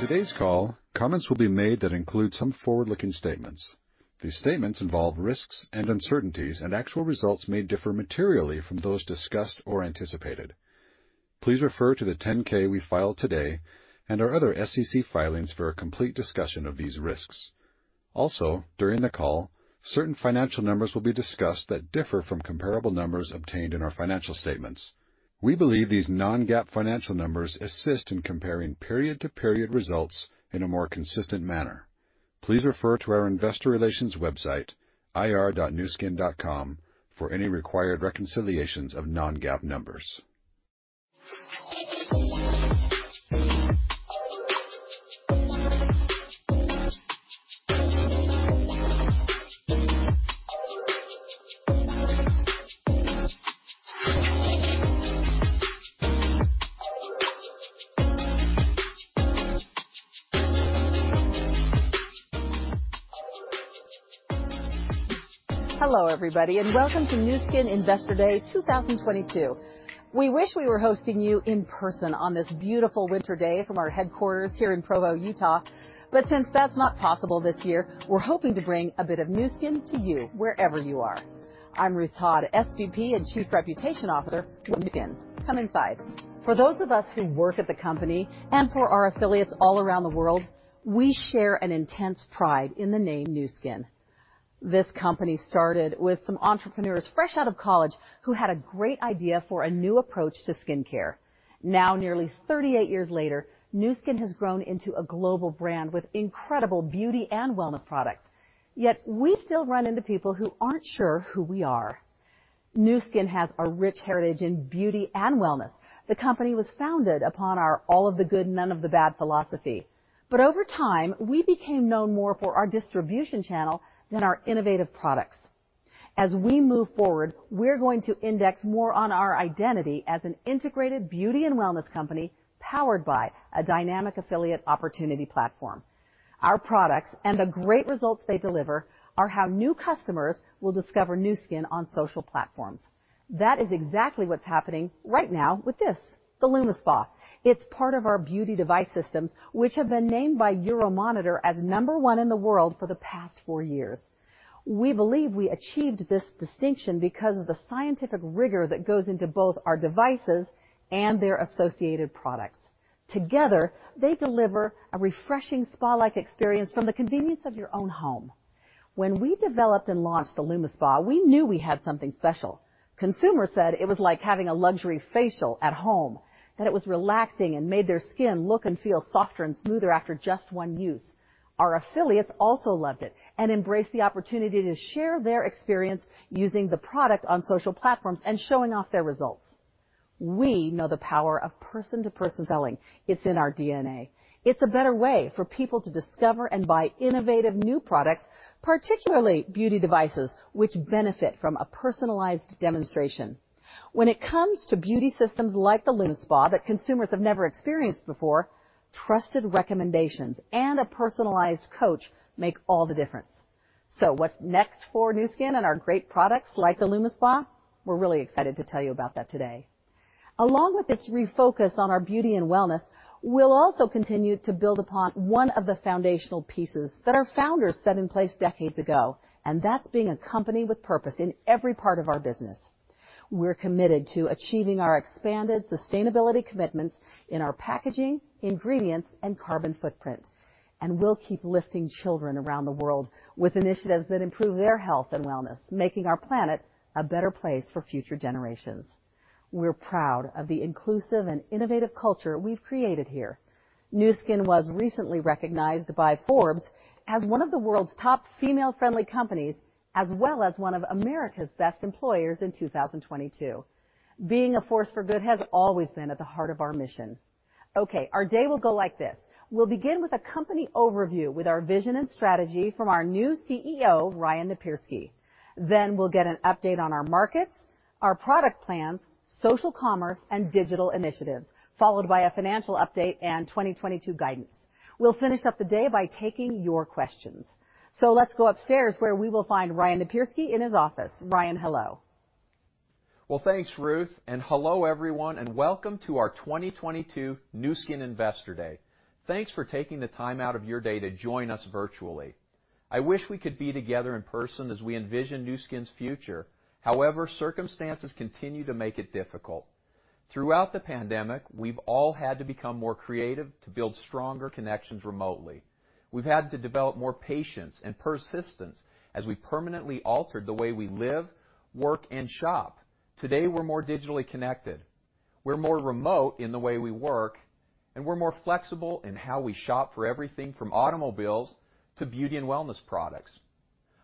On today's call, comments will be made that include some forward-looking statements. These statements involve risks and uncertainties, and actual results may differ materially from those discussed or anticipated. Please refer to the 10-K we filed today and our other SEC filings for a complete discussion of these risks. Also, during the call, certain financial numbers will be discussed that differ from comparable numbers obtained in our financial statements. We believe these non-GAAP financial numbers assist in comparing period-to-period results in a more consistent manner. Please refer to our investor relations website, ir.nuskin.com, for any required reconciliations of non-GAAP numbers. Hello, everybody, and welcome to Nu Skin Investor Day 2022. We wish we were hosting you in person on this beautiful winter day from our headquarters here in Provo, Utah. Since that's not possible this year, we're hoping to bring a bit of Nu Skin to you wherever you are. I'm Ruth Todd, SVP and Chief Reputation Officer with Nu Skin. Come inside. For those of us who work at the company, and for our affiliates all around the world, we share an intense pride in the name Nu Skin. This company started with some entrepreneurs fresh out of college who had a great idea for a new approach to skincare. Now, nearly 38 years later, Nu Skin has grown into a global brand with incredible beauty and wellness products. Yet we still run into people who aren't sure who we are. Nu Skin has a rich heritage in beauty and wellness. The company was founded upon our All of the Good, None of the Bad philosophy. Over time, we became known more for our distribution channel than our innovative products. As we move forward, we're going to index more on our identity as an integrated beauty and wellness company powered by a dynamic affiliate opportunity platform. Our products and the great results they deliver are how new customers will discover Nu Skin on social platforms. That is exactly what's happening right now with this, the LumiSpa. It's part of our beauty device systems, which have been named by Euromonitor as number one in the world for the past four years. We believe we achieved this distinction because of the scientific rigor that goes into both our devices and their associated products. Together, they deliver a refreshing spa-like experience from the convenience of your own home. When we developed and launched the LumiSpa, we knew we had something special. Consumers said it was like having a luxury facial at home, that it was relaxing and made their skin look and feel softer and smoother after just one use. Our affiliates also loved it and embraced the opportunity to share their experience using the product on social platforms and showing off their results. We know the power of person-to-person selling. It's in our DNA. It's a better way for people to discover and buy innovative new products, particularly beauty devices, which benefit from a personalized demonstration. When it comes to beauty systems like the LumiSpa that consumers have never experienced before, trusted recommendations and a personalized coach make all the difference. What's next for Nu Skin and our great products like the LumiSpa? We're really excited to tell you about that today. Along with this refocus on our beauty and wellness, we'll also continue to build upon one of the foundational pieces that our founders set in place decades ago, and that's being a company with purpose in every part of our business. We're committed to achieving our expanded sustainability commitments in our packaging, ingredients, and carbon footprint. We'll keep lifting children around the world with initiatives that improve their health and wellness, making our planet a better place for future generations. We're proud of the inclusive and innovative culture we've created here. Nu Skin was recently recognized by Forbes as one of the world's top female-friendly companies, as well as one of America's best employers in 2022. Being a Force for Good has always been at the heart of our mission. Okay, our day will go like this. We'll begin with a company overview with our vision and strategy from our new CEO, Ryan Napierski. Then we'll get an update on our markets, our product plans, social commerce, and digital initiatives, followed by a financial update and 2022 guidance. We'll finish up the day by taking your questions. Let's go upstairs where we will find Ryan Napierski in his office. Ryan, hello. Well, thanks, Ruth, and hello, everyone, and welcome to our 2022 Nu Skin Investor Day. Thanks for taking the time out of your day to join us virtually. I wish we could be together in person as we envision Nu Skin's future. However, circumstances continue to make it difficult. Throughout the pandemic, we've all had to become more creative to build stronger connections remotely. We've had to develop more patience and persistence as we permanently altered the way we live, work, and shop. Today, we're more digitally connected, we're more remote in the way we work, and we're more flexible in how we shop for everything from automobiles to beauty and wellness products.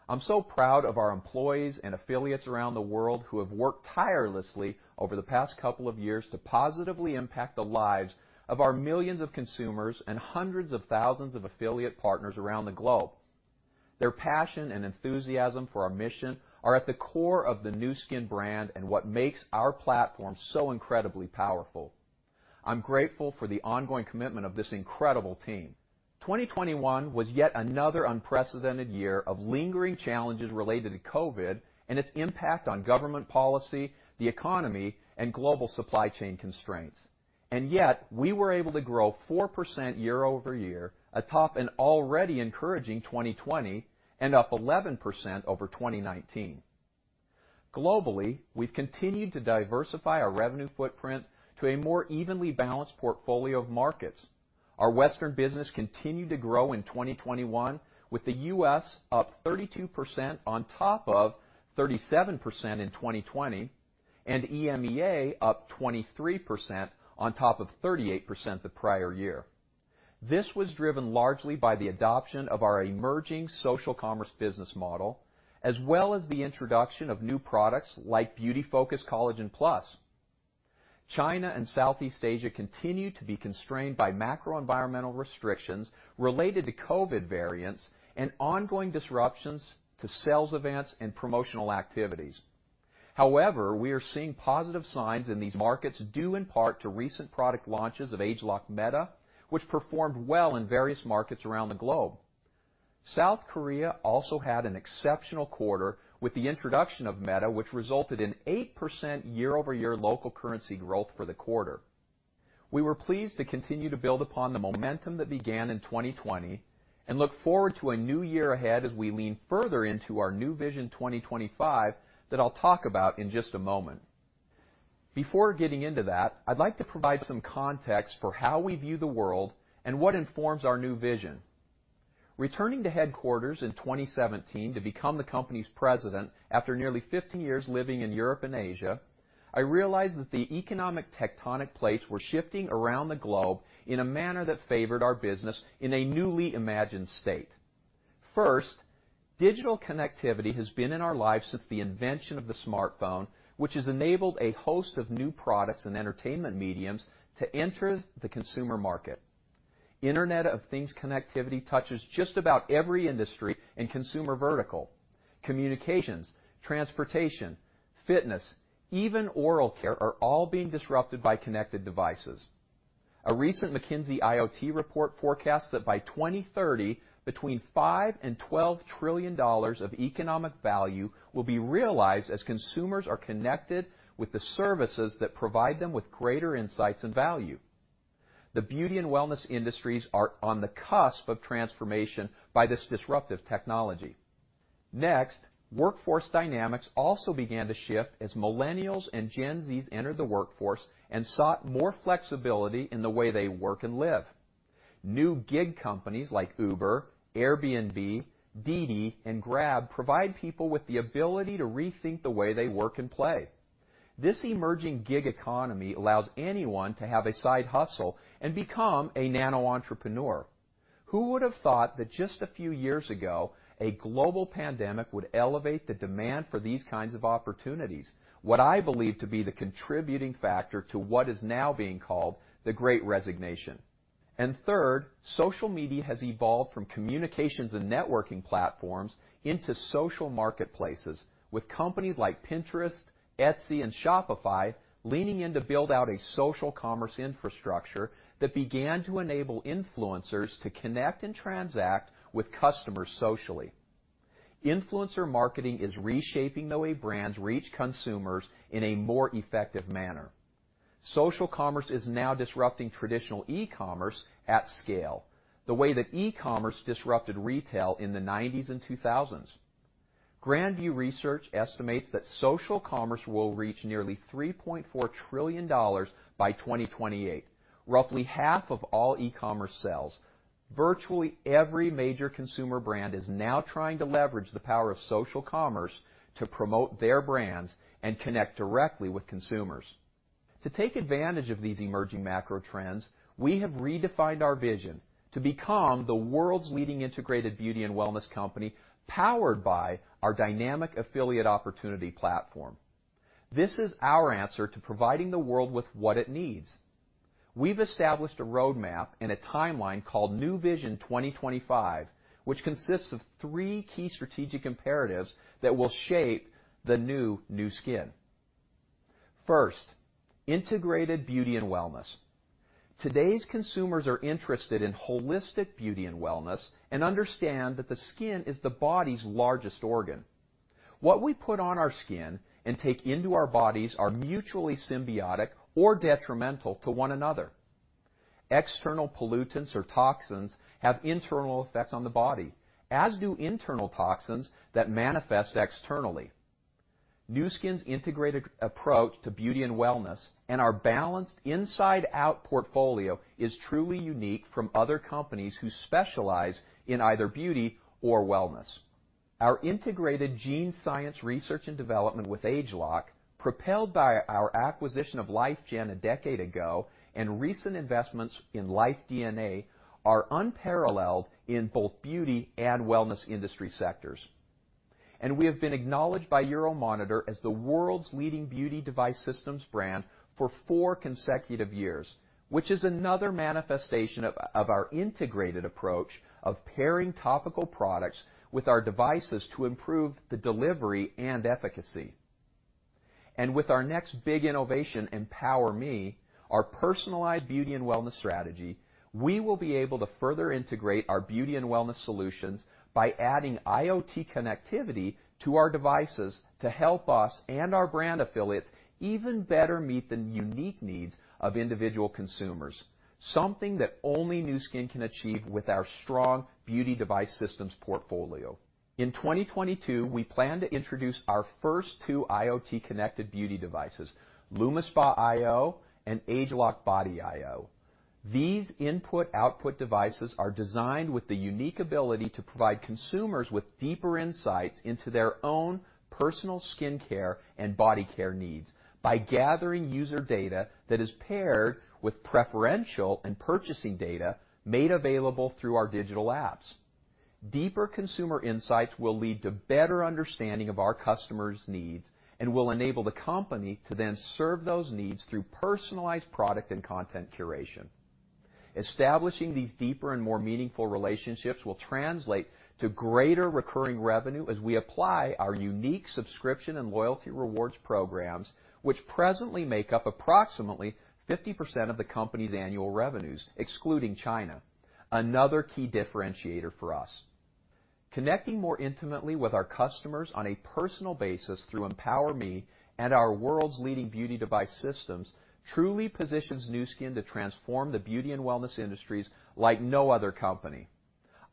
I'm so proud of our employees and affiliates around the world who have worked tirelessly over the past couple of years to positively impact the lives of our millions of consumers and hundreds of thousands of affiliate partners around the globe. Their passion and enthusiasm for our mission are at the core of the Nu Skin brand and what makes our platform so incredibly powerful. I'm grateful for the ongoing commitment of this incredible team. 2021 was yet another unprecedented year of lingering challenges related to COVID and its impact on government policy, the economy, and global supply chain constraints. Yet we were able to grow 4% year-over-year atop an already encouraging 2020 and up 11% over 2019. Globally, we've continued to diversify our revenue footprint to a more evenly balanced portfolio of markets. Our Western business continued to grow in 2021 with the U.S. up 32% on top of 37% in 2020, and EMEA up 23% on top of 38% the prior year. This was driven largely by the adoption of our emerging social commerce business model as well as the introduction of new products like Beauty Focus Collagen+. China and Southeast Asia continue to be constrained by macro environmental restrictions related to COVID variants and ongoing disruptions to sales events and promotional activities. However, we are seeing positive signs in these markets due in part to recent product launches of ageLOC Meta, which performed well in various markets around the globe. South Korea also had an exceptional quarter with the introduction of Meta, which resulted in 8% year-over-year local currency growth for the quarter. We were pleased to continue to build upon the momentum that began in 2020 and look forward to a new year ahead as we lean further into our Nu Vision 2025 that I'll talk about in just a moment. Before getting into that, I'd like to provide some context for how we view the world and what informs our new vision. Returning to headquarters in 2017 to become the company's president after nearly 15 years living in Europe and Asia, I realized that the economic tectonic plates were shifting around the globe in a manner that favored our business in a newly imagined state. First, digital connectivity has been in our lives since the invention of the smartphone, which has enabled a host of new products and entertainment mediums to enter the consumer market. Internet of Things connectivity touches just about every industry and consumer vertical. Communications, transportation, fitness, even oral care are all being disrupted by connected devices. A recent McKinsey IoT report forecasts that by 2030, between $5 trillion and $12 trillion of economic value will be realized as consumers are connected with the services that provide them with greater insights and value. The beauty and wellness industries are on the cusp of transformation by this disruptive technology. Next, workforce dynamics also began to shift as millennials and Gen Zs entered the workforce and sought more flexibility in the way they work and live. New gig companies like Uber, Airbnb, Didi, and Grab provide people with the ability to rethink the way they work and play. This emerging gig economy allows anyone to have a side hustle and become a nano-entrepreneur. Who would have thought that just a few years ago, a global pandemic would elevate the demand for these kinds of opportunities? What I believe to be the contributing factor to what is now being called the Great Resignation. Third, social media has evolved from communications and networking platforms into social marketplaces with companies like Pinterest, Etsy, and Shopify leaning in to build out a social commerce infrastructure that began to enable influencers to connect and transact with customers socially. Influencer marketing is reshaping the way brands reach consumers in a more effective manner. Social commerce is now disrupting traditional e-commerce at scale, the way that e-commerce disrupted retail in the '90s and 2000s. Grand View Research estimates that social commerce will reach nearly $3.4 trillion by 2028, roughly half of all e-commerce sales. Virtually every major consumer brand is now trying to leverage the power of social commerce to promote their brands and connect directly with consumers. To take advantage of these emerging macro trends, we have redefined our vision to become the world's leading integrated beauty and wellness company, powered by our dynamic affiliate opportunity platform. This is our answer to providing the world with what it needs. We've established a roadmap and a timeline called Nu Vision 2025, which consists of three key strategic imperatives that will shape the new Nu Skin. First, integrated beauty and wellness. Today's consumers are interested in holistic beauty and wellness and understand that the skin is the body's largest organ. What we put on our skin and take into our bodies are mutually symbiotic or detrimental to one another. External pollutants or toxins have internal effects on the body, as do internal toxins that manifest externally. Nu Skin's integrated approach to beauty and wellness and our balanced inside out portfolio is truly unique from other companies who specialize in either beauty or wellness. Our integrated gene science research and development with ageLOC, propelled by our acquisition of LifeGen a decade ago and recent investments in LifeDNA, are unparalleled in both beauty and wellness industry sectors. We have been acknowledged by Euromonitor as the world's leading beauty device systems brand for four consecutive years, which is another manifestation of our integrated approach of pairing topical products with our devices to improve the delivery and efficacy. With our next big innovation, EmpowerMe, our personalized beauty and wellness strategy, we will be able to further integrate our beauty and wellness solutions by adding IoT connectivity to our devices to help us and our brand affiliates even better meet the unique needs of individual consumers. Something that only Nu Skin can achieve with our strong beauty device systems portfolio. In 2022, we plan to introduce our first two IoT-connected beauty devices, LumiSpa iO and ageLOC Body iO. These IoT devices are designed with the unique ability to provide consumers with deeper insights into their own personal skin care and body care needs by gathering user data that is paired with preference and purchasing data made available through our digital apps. Deeper consumer insights will lead to better understanding of our customers' needs and will enable the company to then serve those needs through personalized product and content curation. Establishing these deeper and more meaningful relationships will translate to greater recurring revenue as we apply our unique subscription and loyalty rewards programs, which presently make up approximately 50% of the company's annual revenues, excluding China. Another key differentiator for us. Connecting more intimately with our customers on a personal basis through EmpowerMe and our world's leading beauty device systems truly positions Nu Skin to transform the beauty and wellness industries like no other company.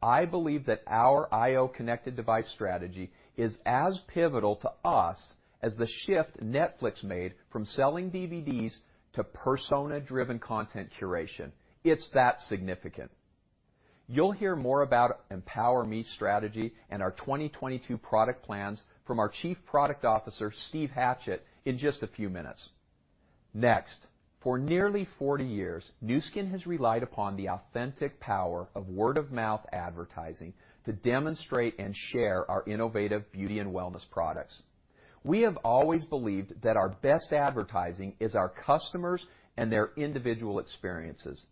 I believe that our iO connected device strategy is as pivotal to us as the shift Netflix made from selling DVDs to persona-driven content curation. It's that significant. You'll hear more about EmpowerMe strategy and our 2022 product plans from our Chief Product Officer, Steve Hatchett, in just a few minutes. Next, for nearly 40 years, Nu Skin has relied upon the authentic power of word-of-mouth advertising to demonstrate and share our innovative beauty and wellness products. We have always believed that our best advertising is our customers and their individual experiences.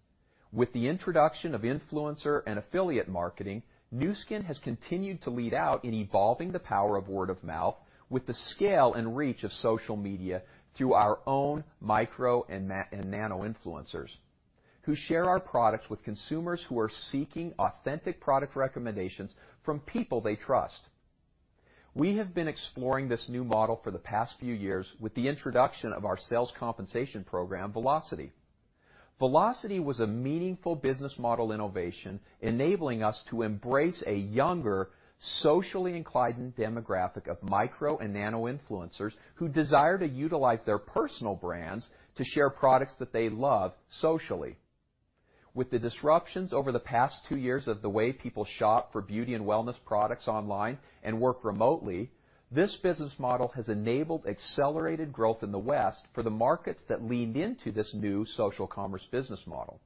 With the introduction of influencer and affiliate marketing, Nu Skin has continued to lead out in evolving the power of word of mouth with the scale and reach of social media through our own micro and nano influencers who share our products with consumers who are seeking authentic product recommendations from people they trust. We have been exploring this new model for the past few years with the introduction of our sales compensation program, Velocity. Velocity was a meaningful business model innovation enabling us to embrace a younger, socially inclined demographic of micro and nano influencers who desire to utilize their personal brands to share products that they love socially. With the disruptions over the past two years of the way people shop for beauty and wellness products online and work remotely, this business model has enabled accelerated growth in the West for the markets that leaned into this new social commerce business model.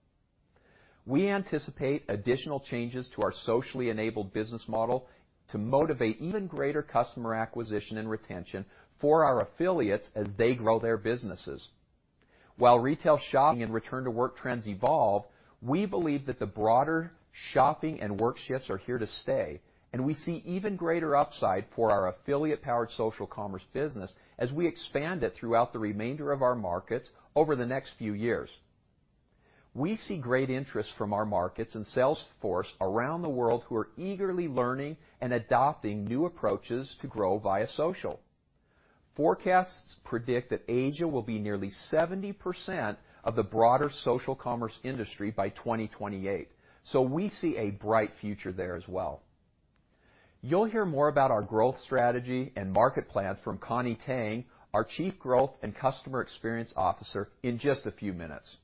We anticipate additional changes to our socially enabled business model to motivate even greater customer acquisition and retention for our affiliates as they grow their businesses. While retail shopping and return to work trends evolve, we believe that the broader shopping and work shifts are here to stay, and we see even greater upside for our affiliate-powered social commerce business as we expand it throughout the remainder of our markets over the next few years. We see great interest from our markets and sales force around the world who are eagerly learning and adopting new approaches to grow via social. Forecasts predict that Asia will be nearly 70% of the broader social commerce industry by 2028. We see a bright future there as well. You'll hear more about our growth strategy and market plans from Connie Tang, our Chief Growth and Customer Experience Officer, in just a few minutes.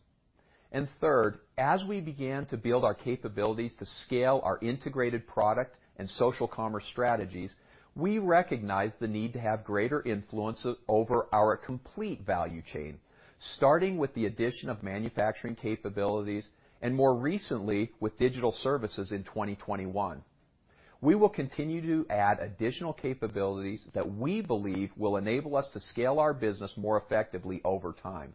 Third, as we began to build our capabilities to scale our integrated product and social commerce strategies, we recognized the need to have greater influence over our complete value chain, starting with the addition of manufacturing capabilities and more recently with digital services in 2021. We will continue to add additional capabilities that we believe will enable us to scale our business more effectively over time.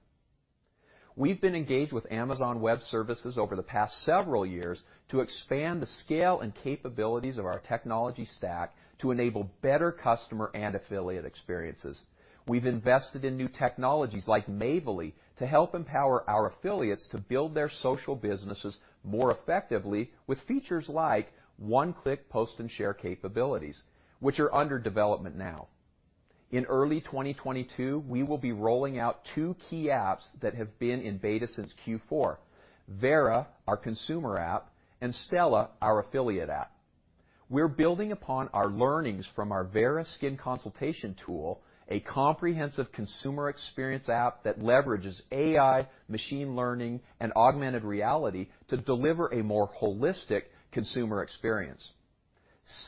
We've been engaged with Amazon Web Services over the past several years to expand the scale and capabilities of our technology stack to enable better customer and affiliate experiences. We've invested in new technologies like Mavely to help empower our affiliates to build their social businesses more effectively with features like one-click post and share capabilities, which are under development now. In early 2022, we will be rolling out two key apps that have been in beta since Q4: Vera, our consumer app, and Stela, our affiliate app. We're building upon our learnings from our Vera skin consultation tool, a comprehensive consumer experience app that leverages AI, machine learning, and augmented reality to deliver a more holistic consumer experience.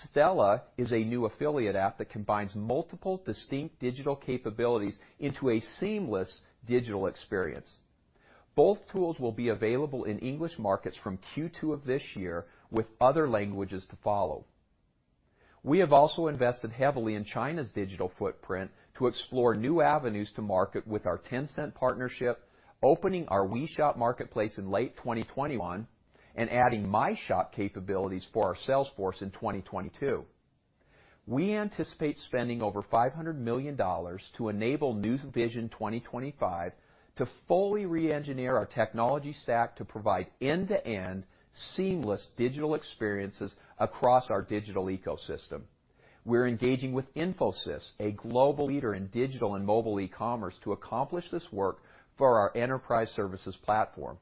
Stela is a new affiliate app that combines multiple distinct digital capabilities into a seamless digital experience. Both tools will be available in English markets from Q2 of this year, with other languages to follow. We have also invested heavily in China's digital footprint to explore new avenues to market with our Tencent partnership, opening our WeShop marketplace in late 2021. Adding MyShop capabilities for our sales force in 2022. We anticipate spending over $500 million to enable Nu Vision 2025 to fully re-engineer our technology stack to provide end-to-end seamless digital experiences across our digital ecosystem. We're engaging with Infosys, a global leader in digital and mobile commerce, to accomplish this work for our enterprise services platform.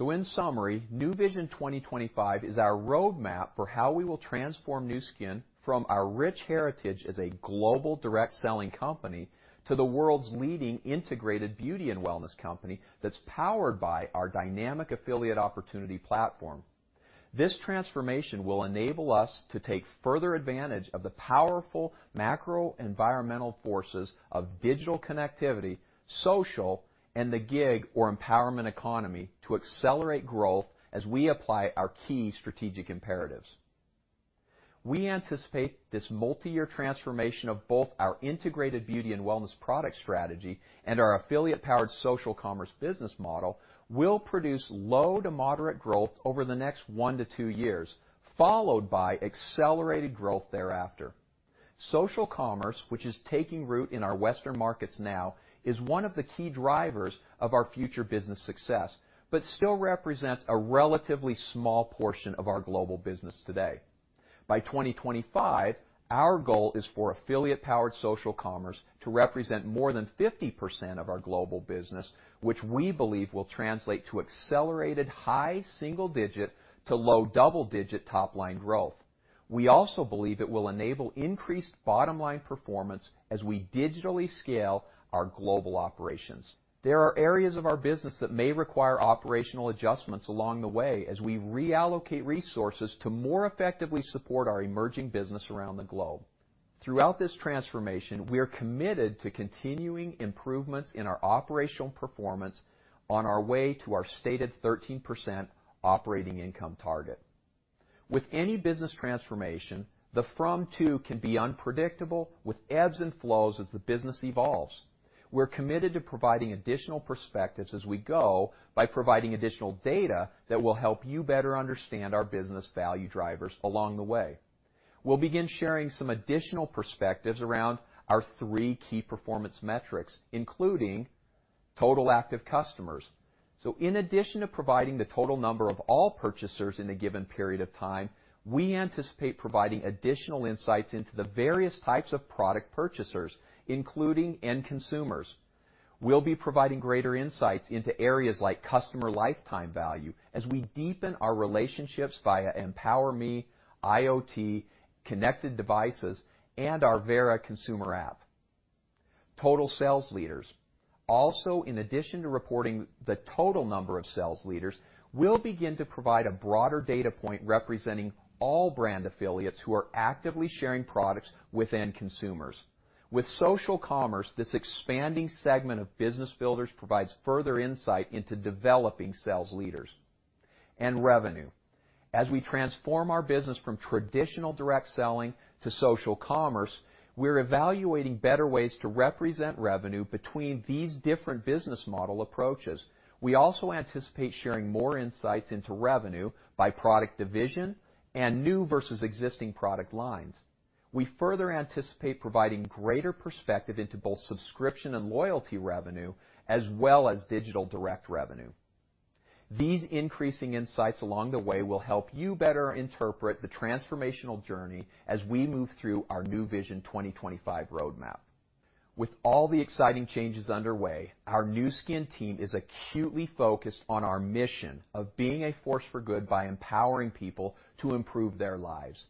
In summary, Nu Vision 2025 is our roadmap for how we will transform Nu Skin from our rich heritage as a global direct selling company to the world's leading integrated beauty and wellness company that's powered by our dynamic affiliate opportunity platform. This transformation will enable us to take further advantage of the powerful macroenvironmental forces of digital connectivity, social, and the gig or empowerment economy to accelerate growth as we apply our key strategic imperatives. We anticipate this multi-year transformation of both our integrated beauty and wellness product strategy and our affiliate-powered social commerce business model will produce low to moderate growth over the next one-two years, followed by accelerated growth thereafter. Social commerce, which is taking root in our Western markets now, is one of the key drivers of our future business success, but still represents a relatively small portion of our global business today. By 2025, our goal is for affiliate-powered social commerce to represent more than 50% of our global business, which we believe will translate to accelerated high single-digit to low double-digit top-line growth. We also believe it will enable increased bottom-line performance as we digitally scale our global operations. There are areas of our business that may require operational adjustments along the way as we reallocate resources to more effectively support our emerging business around the globe. Throughout this transformation, we are committed to continuing improvements in our operational performance on our way to our stated 13% operating income target. With any business transformation, the From-To can be unpredictable, with ebbs and flows as the business evolves. We're committed to providing additional perspectives as we go by providing additional data that will help you better understand our business value drivers along the way. We'll begin sharing some additional perspectives around our three key performance metrics, including total active customers. In addition to providing the total number of all purchasers in a given period of time, we anticipate providing additional insights into the various types of product purchasers, including end consumers. We'll be providing greater insights into areas like customer lifetime value as we deepen our relationships via EmpowerMe, IoT, connected devices, and our Vera consumer app. Total sales leaders. Also, in addition to reporting the total number of sales leaders, we'll begin to provide a broader data point representing all brand affiliates who are actively sharing products with end consumers. With social commerce, this expanding segment of business builders provides further insight into developing sales leaders. Revenue. As we transform our business from traditional direct selling to social commerce, we're evaluating better ways to represent revenue between these different business model approaches. We also anticipate sharing more insights into revenue by product division and new versus existing product lines. We further anticipate providing greater perspective into both subscription and loyalty revenue, as well as digital direct revenue. These increasing insights along the way will help you better interpret the transformational journey as we move through our Nu Vision 2025 roadmap. With all the exciting changes underway, our Nu Skin team is acutely focused on our mission of being a force for good by empowering people to improve their lives.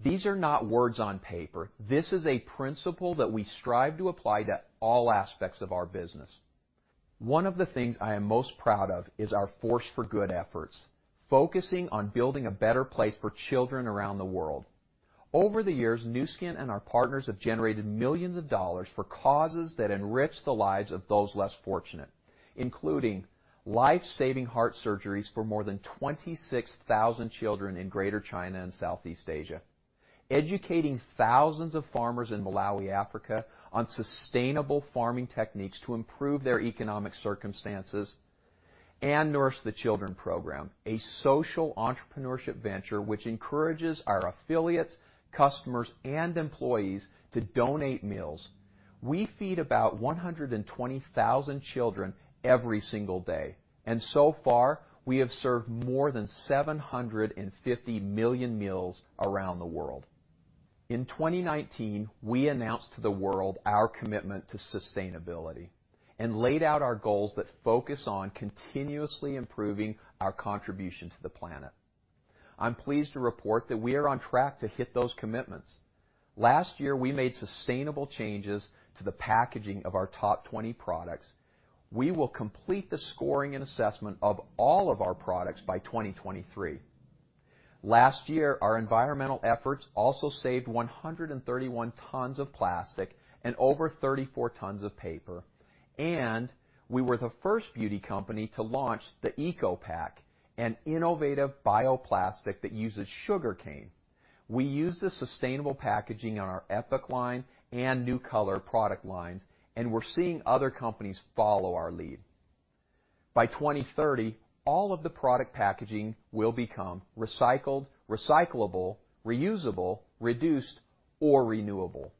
These are not words on paper. This is a principle that we strive to apply to all aspects of our business. One of the things I am most proud of is our Force for Good efforts, focusing on building a better place for children around the world. Over the years, Nu Skin and our partners have generated millions of dollars for causes that enrich the lives of those less fortunate, including life-saving heart surgeries for more than 26,000 children in Greater China and Southeast Asia, educating thousands of farmers in Malawi, Africa on sustainable farming techniques to improve their economic circumstances. Nourish the Children program, a social entrepreneurship venture which encourages our affiliates, customers, and employees to donate meals. We feed about 120,000 children every single day, and so far, we have served more than 750 million meals around the world. In 2019, we announced to the world our commitment to sustainability and laid out our goals that focus on continuously improving our contribution to the planet. I'm pleased to report that we are on track to hit those commitments. Last year, we made sustainable changes to the packaging of our top 20 products. We will complete the scoring and assessment of all of our products by 2023. Last year, our environmental efforts also saved 131 tons of plastic and over 34 tons of paper. We were the first beauty company to launch the Eco-Pac, an innovative bioplastic that uses sugarcane. We use the sustainable packaging on our Epoch line and Nu Colour product lines, and we're seeing other companies follow our lead. By 2030, all of the product packaging will become recycled, recyclable, reusable, reduced, or renewable.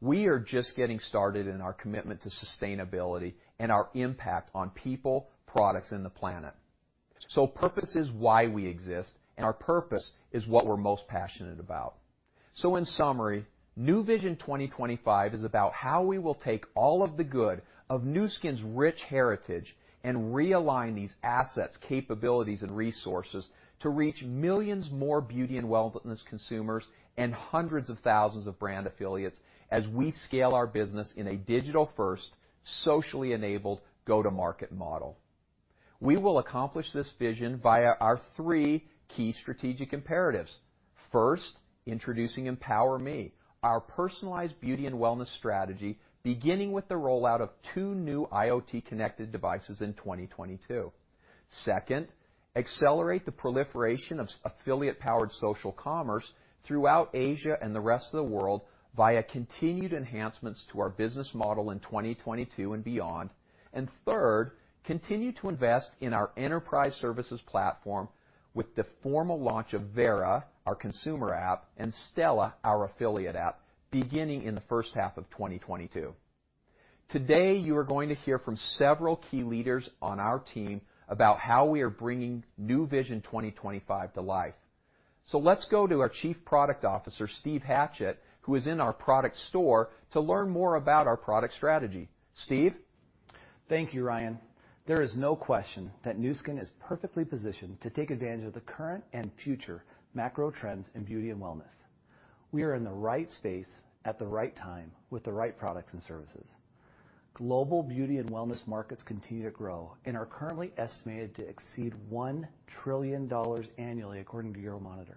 We are just getting started in our commitment to sustainability and our impact on people, products, and the planet. Purpose is why we exist, and our purpose is what we're most passionate about. In summary, Nu Vision 2025 is about how we will take all of the good of Nu Skin's rich heritage and realign these assets, capabilities, and resources to reach millions more beauty and wellness consumers and hundreds of thousands of brand affiliates as we scale our business in a digital-first, socially enabled go-to-market model. We will accomplish this vision via our three key strategic imperatives. First, introducing EmpowerMe, our personalized beauty and wellness strategy, beginning with the rollout of two new IoT connected devices in 2022. Second, accelerate the proliferation of affiliate-powered social commerce throughout Asia and the rest of the world via continued enhancements to our business model in 2022 and beyond. Third, continue to invest in our enterprise services platform with the formal launch of Vera, our consumer app, and Stela, our affiliate app, beginning in the first half of 2022. Today, you are going to hear from several key leaders on our team about how we are bringing Nu Vision 2025 to life. Let's go to our Chief Product Officer, Steve Hatchett, who is in our product store to learn more about our product strategy. Steve? Thank you, Ryan. There is no question that Nu Skin is perfectly positioned to take advantage of the current and future macro trends in beauty and wellness. We are in the right space at the right time with the right products and services. Global beauty and wellness markets continue to grow and are currently estimated to exceed $1 trillion annually, according to Euromonitor.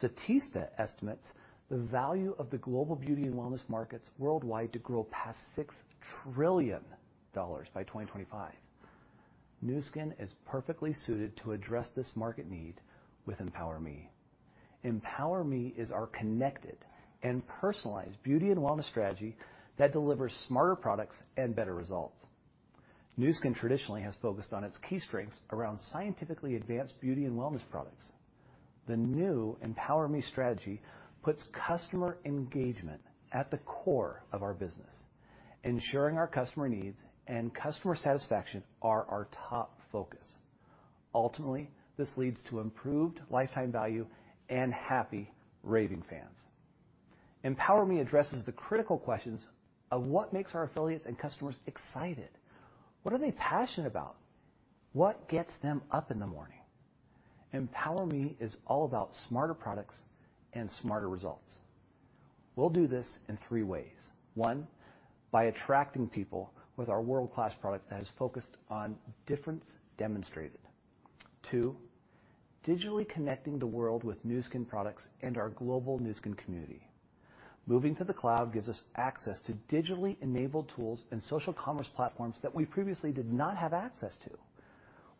Statista estimates the value of the global beauty and wellness markets worldwide to grow past $6 trillion by 2025. Nu Skin is perfectly suited to address this market need with EmpowerMe. EmpowerMe is our connected and personalized beauty and wellness strategy that delivers smarter products and better results. Nu Skin traditionally has focused on its key strengths around scientifically advanced beauty and wellness products. The new EmpowerMe strategy puts customer engagement at the core of our business, ensuring our customer needs and customer satisfaction are our top focus. Ultimately, this leads to improved lifetime value and happy, raving fans. EmpowerMe addresses the critical questions of what makes our affiliates and customers excited. What are they passionate about? What gets them up in the morning? EmpowerMe is all about smarter products and smarter results. We'll do this in three ways. One, by attracting people with our world-class products that is focused on difference demonstrated. Two, digitally connecting the world with Nu Skin products and our global Nu Skin community. Moving to the cloud gives us access to digitally enabled tools and social commerce platforms that we previously did not have access to.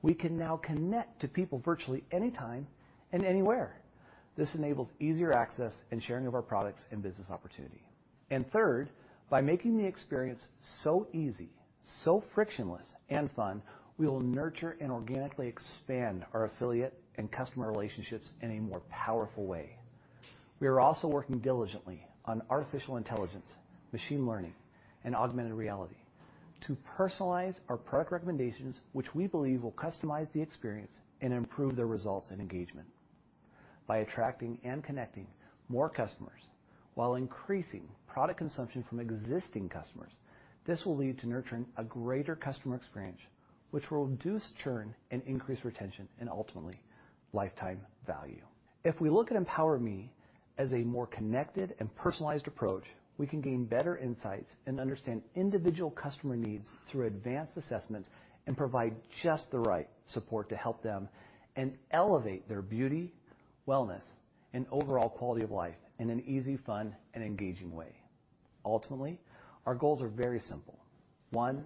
We can now connect to people virtually anytime and anywhere. This enables easier access and sharing of our products and business opportunity. Third, by making the experience so easy, so frictionless, and fun, we will nurture and organically expand our affiliate and customer relationships in a more powerful way. We are also working diligently on artificial intelligence, machine learning, and augmented reality to personalize our product recommendations, which we believe will customize the experience and improve the results and engagement. By attracting and connecting more customers while increasing product consumption from existing customers, this will lead to nurturing a greater customer experience, which will reduce churn and increase retention, and ultimately, lifetime value. If we look at EmpowerMe as a more connected and personalized approach, we can gain better insights and understand individual customer needs through advanced assessments, and provide just the right support to help them and elevate their beauty, wellness, and overall quality of life in an easy, fun, and engaging way. Ultimately, our goals are very simple. One,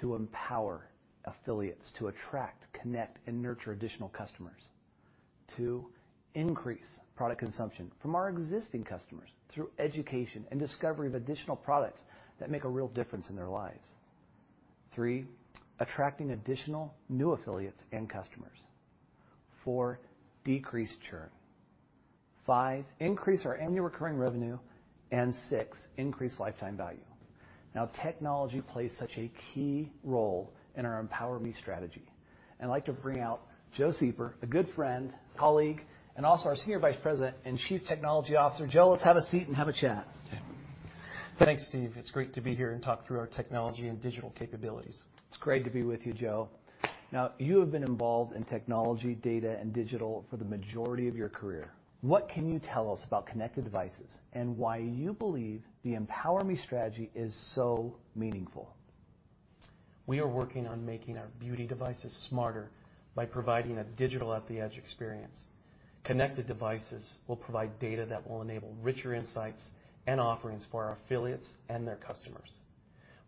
to empower affiliates to attract, connect, and nurture additional customers. Two, increase product consumption from our existing customers through education and discovery of additional products that make a real difference in their lives. Three, attracting additional new affiliates and customers. Four, decrease churn. Five, increase our annual recurring revenue. Six, increase lifetime value. Now, technology plays such a key role in our EmpowerMe strategy. I'd like to bring out Joe Sueper, a good friend, colleague, and also our Senior Vice President and Chief Technology Officer. Joe, let's have a seat and have a chat. Okay. Thanks, Steve. It's great to be here and talk through our technology and digital capabilities. It's great to be with you, Joe. Now, you have been involved in technology, data, and digital for the majority of your career. What can you tell us about connected devices and why you believe the EmpowerMe strategy is so meaningful? We are working on making our beauty devices smarter by providing a digital at the edge experience. Connected devices will provide data that will enable richer insights and offerings for our affiliates and their customers.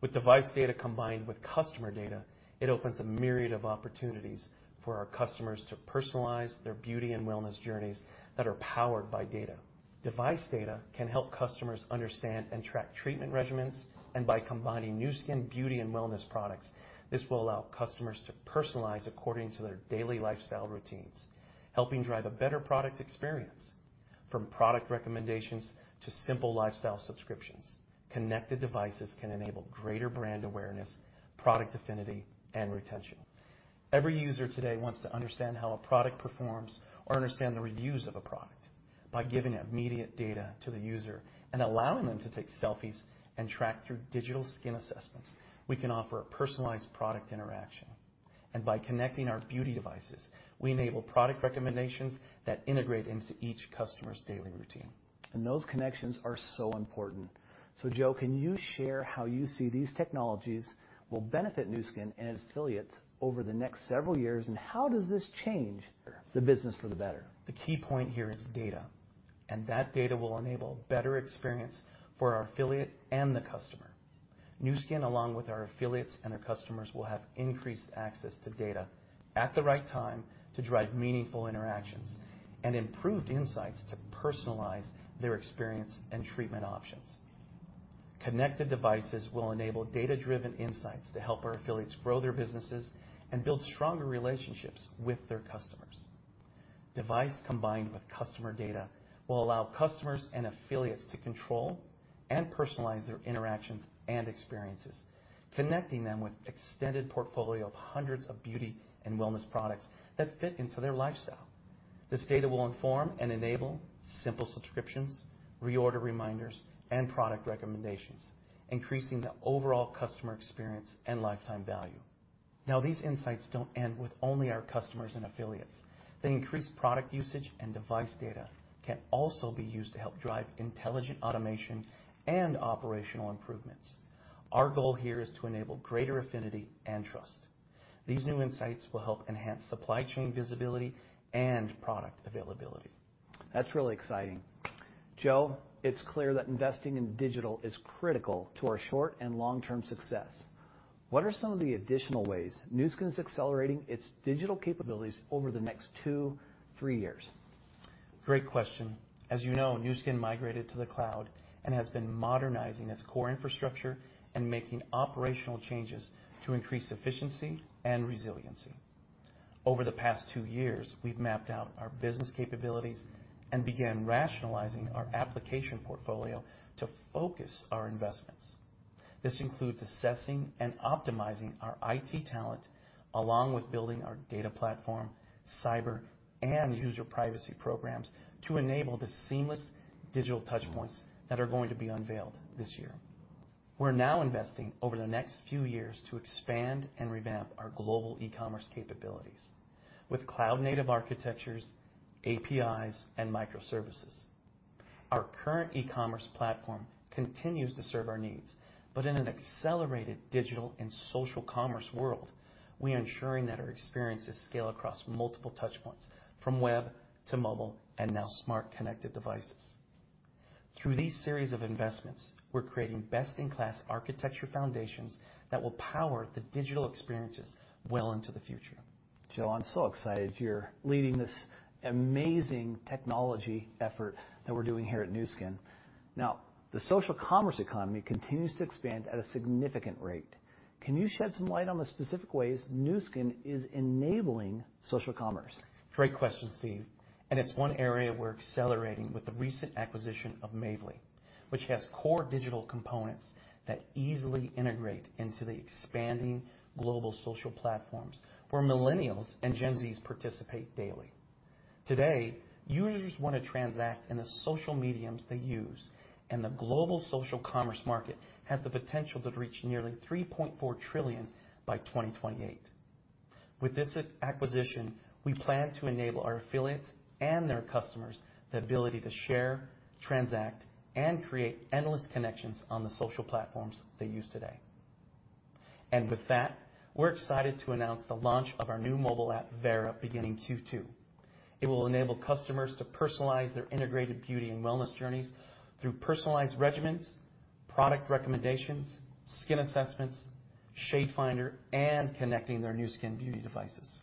With device data combined with customer data, it opens a myriad of opportunities for our customers to personalize their beauty and wellness journeys that are powered by data. Device data can help customers understand and track treatment regimens, and by combining Nu Skin beauty and wellness products, this will allow customers to personalize according to their daily lifestyle routines, helping drive a better product experience. From product recommendations to simple lifestyle subscriptions, connected devices can enable greater brand awareness, product affinity, and retention. Every user today wants to understand how a product performs or understand the reviews of a product. By giving immediate data to the user and allowing them to take selfies and track through digital skin assessments, we can offer a personalized product interaction. By connecting our beauty devices, we enable product recommendations that integrate into each customer's daily routine. Those connections are so important. Joe, can you share how you see these technologies will benefit Nu Skin and its affiliates over the next several years, and how does this change the business for the better? The key point here is data, and that data will enable better experience for our affiliate and the customer. Nu Skin, along with our affiliates and their customers, will have increased access to data at the right time to drive meaningful interactions, and improved insights to personalize their experience and treatment options. Connected devices will enable data-driven insights to help our affiliates grow their businesses and build stronger relationships with their customers. Device combined with customer data will allow customers and affiliates to control and personalize their interactions and experiences, connecting them with extended portfolio of hundreds of beauty and wellness products that fit into their lifestyle. This data will inform and enable simple subscriptions, reorder reminders, and product recommendations, increasing the overall customer experience and lifetime value. Now these insights don't end with only our customers and affiliates. The increased product usage and device data can also be used to help drive intelligent automation and operational improvements. Our goal here is to enable greater affinity and trust. These new insights will help enhance supply chain visibility and product availability. That's really exciting. Joe, it's clear that investing in digital is critical to our short and long-term success. What are some of the additional ways Nu Skin's accelerating its digital capabilities over the next two, three years? Great question. As you know, Nu Skin migrated to the cloud and has been modernizing its core infrastructure and making operational changes to increase efficiency and resiliency. Over the past two years, we've mapped out our business capabilities and began rationalizing our application portfolio to focus our investments. This includes assessing and optimizing our IT talent, along with building our data platform, cyber, and user privacy programs to enable the seamless digital touchpoints that are going to be unveiled this year. We're now investing over the next few years to expand and revamp our global e-commerce capabilities with cloud-native architectures, APIs, and microservices. Our current e-commerce platform continues to serve our needs, but in an accelerated digital and social commerce world, we are ensuring that our experiences scale across multiple touchpoints, from web to mobile and now smart connected devices. Through these series of investments, we're creating best-in-class architecture foundations that will power the digital experiences well into the future. Joe, I'm so excited you're leading this amazing technology effort that we're doing here at Nu Skin. Now, the social commerce economy continues to expand at a significant rate. Can you shed some light on the specific ways Nu Skin is enabling social commerce? Great question, Steve, and it's one area we're accelerating with the recent acquisition of Mavely, which has core digital components that easily integrate into the expanding global social platforms where Millennials and Gen Zs participate daily. Today, users want to transact in the social media they use, and the global social commerce market has the potential to reach nearly $3.4 trillion by 2028. With this acquisition, we plan to enable our affiliates and their customers the ability to share, transact, and create endless connections on the social platforms they use today. With that, we're excited to announce the launch of our new mobile app, Vera, beginning Q2. It will enable customers to personalize their integrated beauty and wellness journeys through personalized regimens, product recommendations, skin assessments, shade finder, and connecting their Nu Skin beauty devices.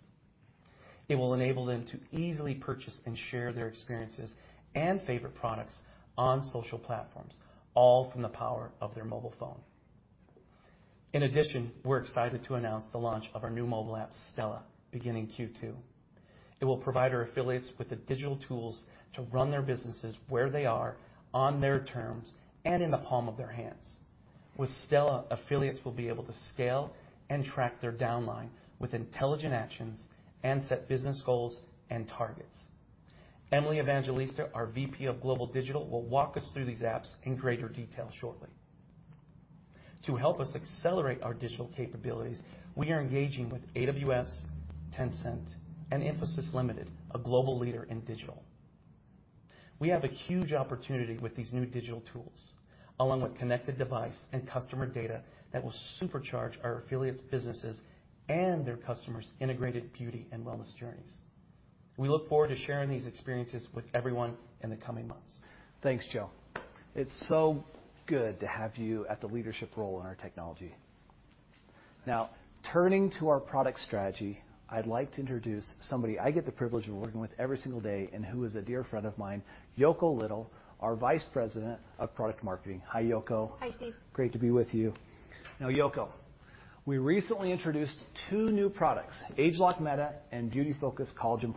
It will enable them to easily purchase and share their experiences and favorite products on social platforms, all from the power of their mobile phone. In addition, we're excited to announce the launch of our new mobile app, Stela, beginning Q2. It will provide our affiliates with the digital tools to run their businesses where they are, on their terms, and in the palm of their hands. With Stela, affiliates will be able to scale and track their downline with intelligent actions and set business goals and targets. Emily Evangelista, our VP of Global Digital, will walk us through these apps in greater detail shortly. To help us accelerate our digital capabilities, we are engaging with AWS, Tencent, and Infosys Limited, a global leader in digital. We have a huge opportunity with these new digital tools, along with connected device and customer data that will supercharge our affiliates' businesses and their customers' integrated beauty and wellness journeys. We look forward to sharing these experiences with everyone in the coming months. Thanks, Joe. It's so good to have you at the leadership role in our technology. Now, turning to our product strategy, I'd like to introduce somebody I get the privilege of working with every single day and who is a dear friend of mine, Yoko Little, our Vice President of Product Marketing. Hi, Yoko. Hi, Steve. Great to be with you. Now Yoko, we recently introduced two new products, ageLOC Meta and Beauty Focus Collagen+.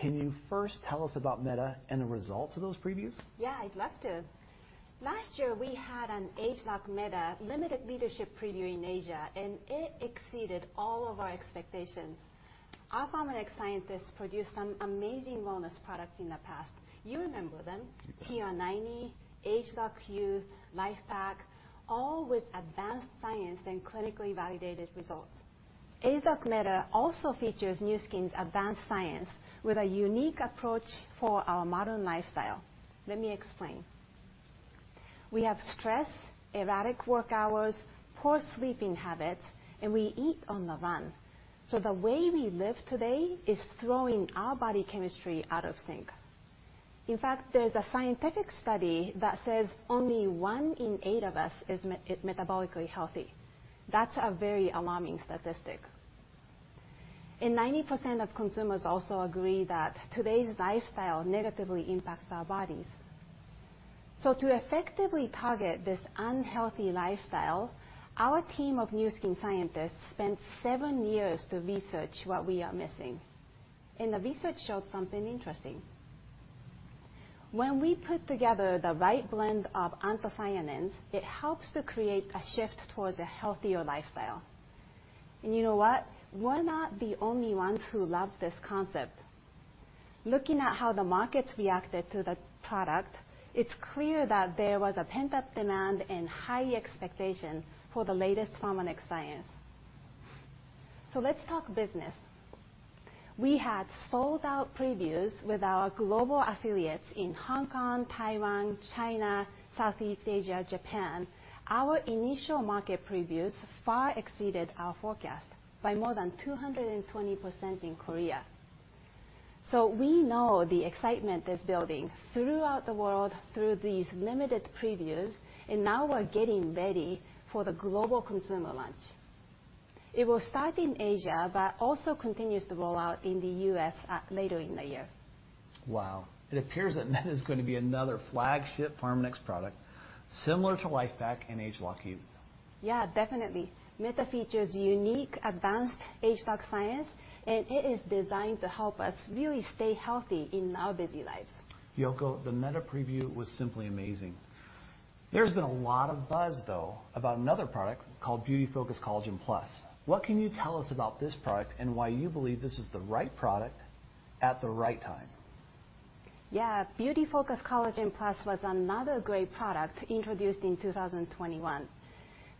Can you first tell us about Meta and the results of those previews? Yeah, I'd love to. Last year, we had an ageLOC Meta limited leadership preview in Asia, and it exceeded all of our expectations. Our Pharmanex scientists produced some amazing wellness products in the past. You remember them, TR90, ageLOC Youth, LifePak, all with advanced science and clinically validated results. ageLOC Meta also features Nu Skin's advanced science with a unique approach for our modern lifestyle. Let me explain. We have stress, erratic work hours, poor sleeping habits, and we eat on the run. So the way we live today is throwing our body chemistry out of sync. In fact, there's a scientific study that says only one in eight of us is metabolically healthy. That's a very alarming statistic. 90% of consumers also agree that today's lifestyle negatively impacts our bodies. To effectively target this unhealthy lifestyle, our team of Nu Skin scientists spent seven years to research what we are missing. The research showed something interesting. When we put together the right blend of anthocyanins, it helps to create a shift towards a healthier lifestyle. You know what? We're not the only ones who love this concept. Looking at how the markets reacted to the product, it's clear that there was a pent-up demand and high expectation for the latest Pharmanex science. Let's talk business. We had sold-out previews with our global affiliates in Hong Kong, Taiwan, China, Southeast Asia, Japan. Our initial market previews far exceeded our forecast by more than 220% in Korea. We know the excitement is building throughout the world through these limited previews, and now we're getting ready for the global consumer launch. It will start in Asia, but also continues to roll out in the U.S. later in the year. Wow. It appears that ageLOC Meta is going to be another flagship Pharmanex product similar to LifePak and ageLOC Youth. Yeah, definitely. Meta features unique advanced ageLOC science, and it is designed to help us really stay healthy in our busy lives. Yoko, the Meta preview was simply amazing. There's been a lot of buzz, though, about another product called Beauty Focus Collagen+. What can you tell us about this product and why you believe this is the right product at the right time? Yeah. Beauty Focus Collagen+ was another great product introduced in 2021.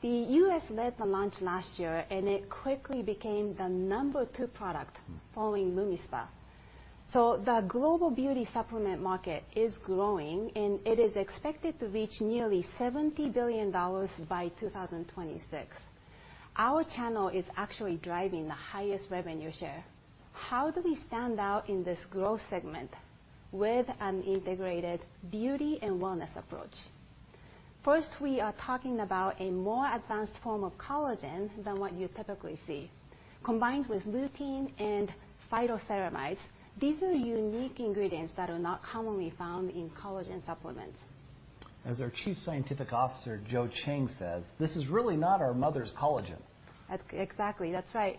The U.S. led the launch last year, and it quickly became the number two product following LumiSpa. The global beauty supplement market is growing, and it is expected to reach nearly $70 billion by 2026. Our channel is actually driving the highest revenue share. How do we stand out in this growth segment? With an integrated beauty and wellness approach. First, we are talking about a more advanced form of collagen than what you typically see, combined with lutein and phytoceramides. These are unique ingredients that are not commonly found in collagen supplements. As our Chief Scientific Officer, Joe Chang says, this is really not our mother's collagen. Exactly. That's right.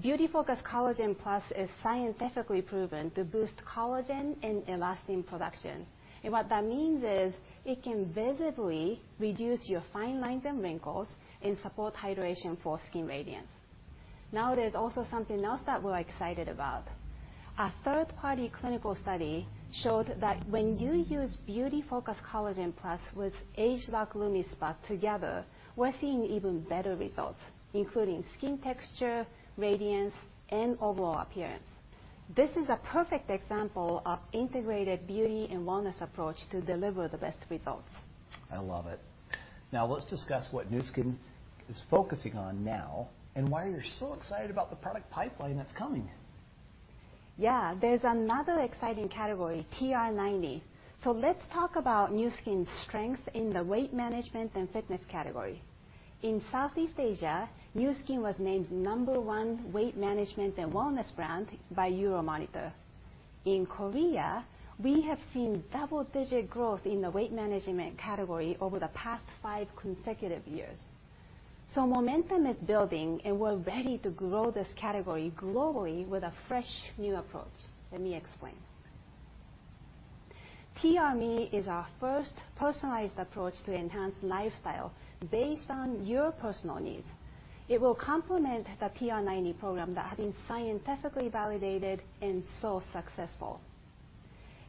Beauty Focus Collagen+ is scientifically proven to boost collagen and elastin production. What that means is it can visibly reduce your fine lines and wrinkles and support hydration for skin radiance. Now, there's also something else that we're excited about. A third-party clinical study showed that when you use Beauty Focus Collagen+ with ageLOC LumiSpa together, we're seeing even better results, including skin texture, radiance, and overall appearance. This is a perfect example of integrated beauty and wellness approach to deliver the best results. I love it. Now let's discuss what Nu Skin is focusing on now and why you're so excited about the product pipeline that's coming. Yeah. There's another exciting category, TR90. Let's talk about Nu Skin's strength in the weight management and fitness category. In Southeast Asia, Nu Skin was named number one weight management and wellness brand by Euromonitor. In Korea, we have seen double-digit growth in the weight management category over the past five consecutive years. Momentum is building, and we're ready to grow this category globally with a fresh new approach. Let me explain. TRMe is our first personalized approach to enhanced lifestyle based on your personal needs. It will complement the TR90 program that has been scientifically validated and so successful.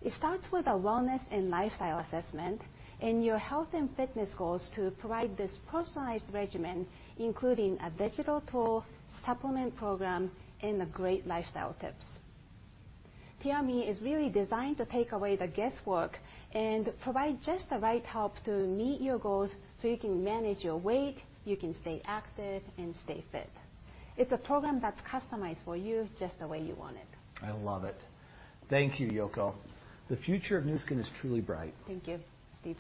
It starts with a wellness and lifestyle assessment and your health and fitness goals to provide this personalized regimen, including a digital tool, supplement program, and great lifestyle tips. TRMe is really designed to take away the guesswork and provide just the right help to meet your goals so you can manage your weight, you can stay active, and stay fit. It's a program that's customized for you just the way you want it. I love it. Thank you, Yoko. The future of Nu Skin is truly bright. Thank you, Steve.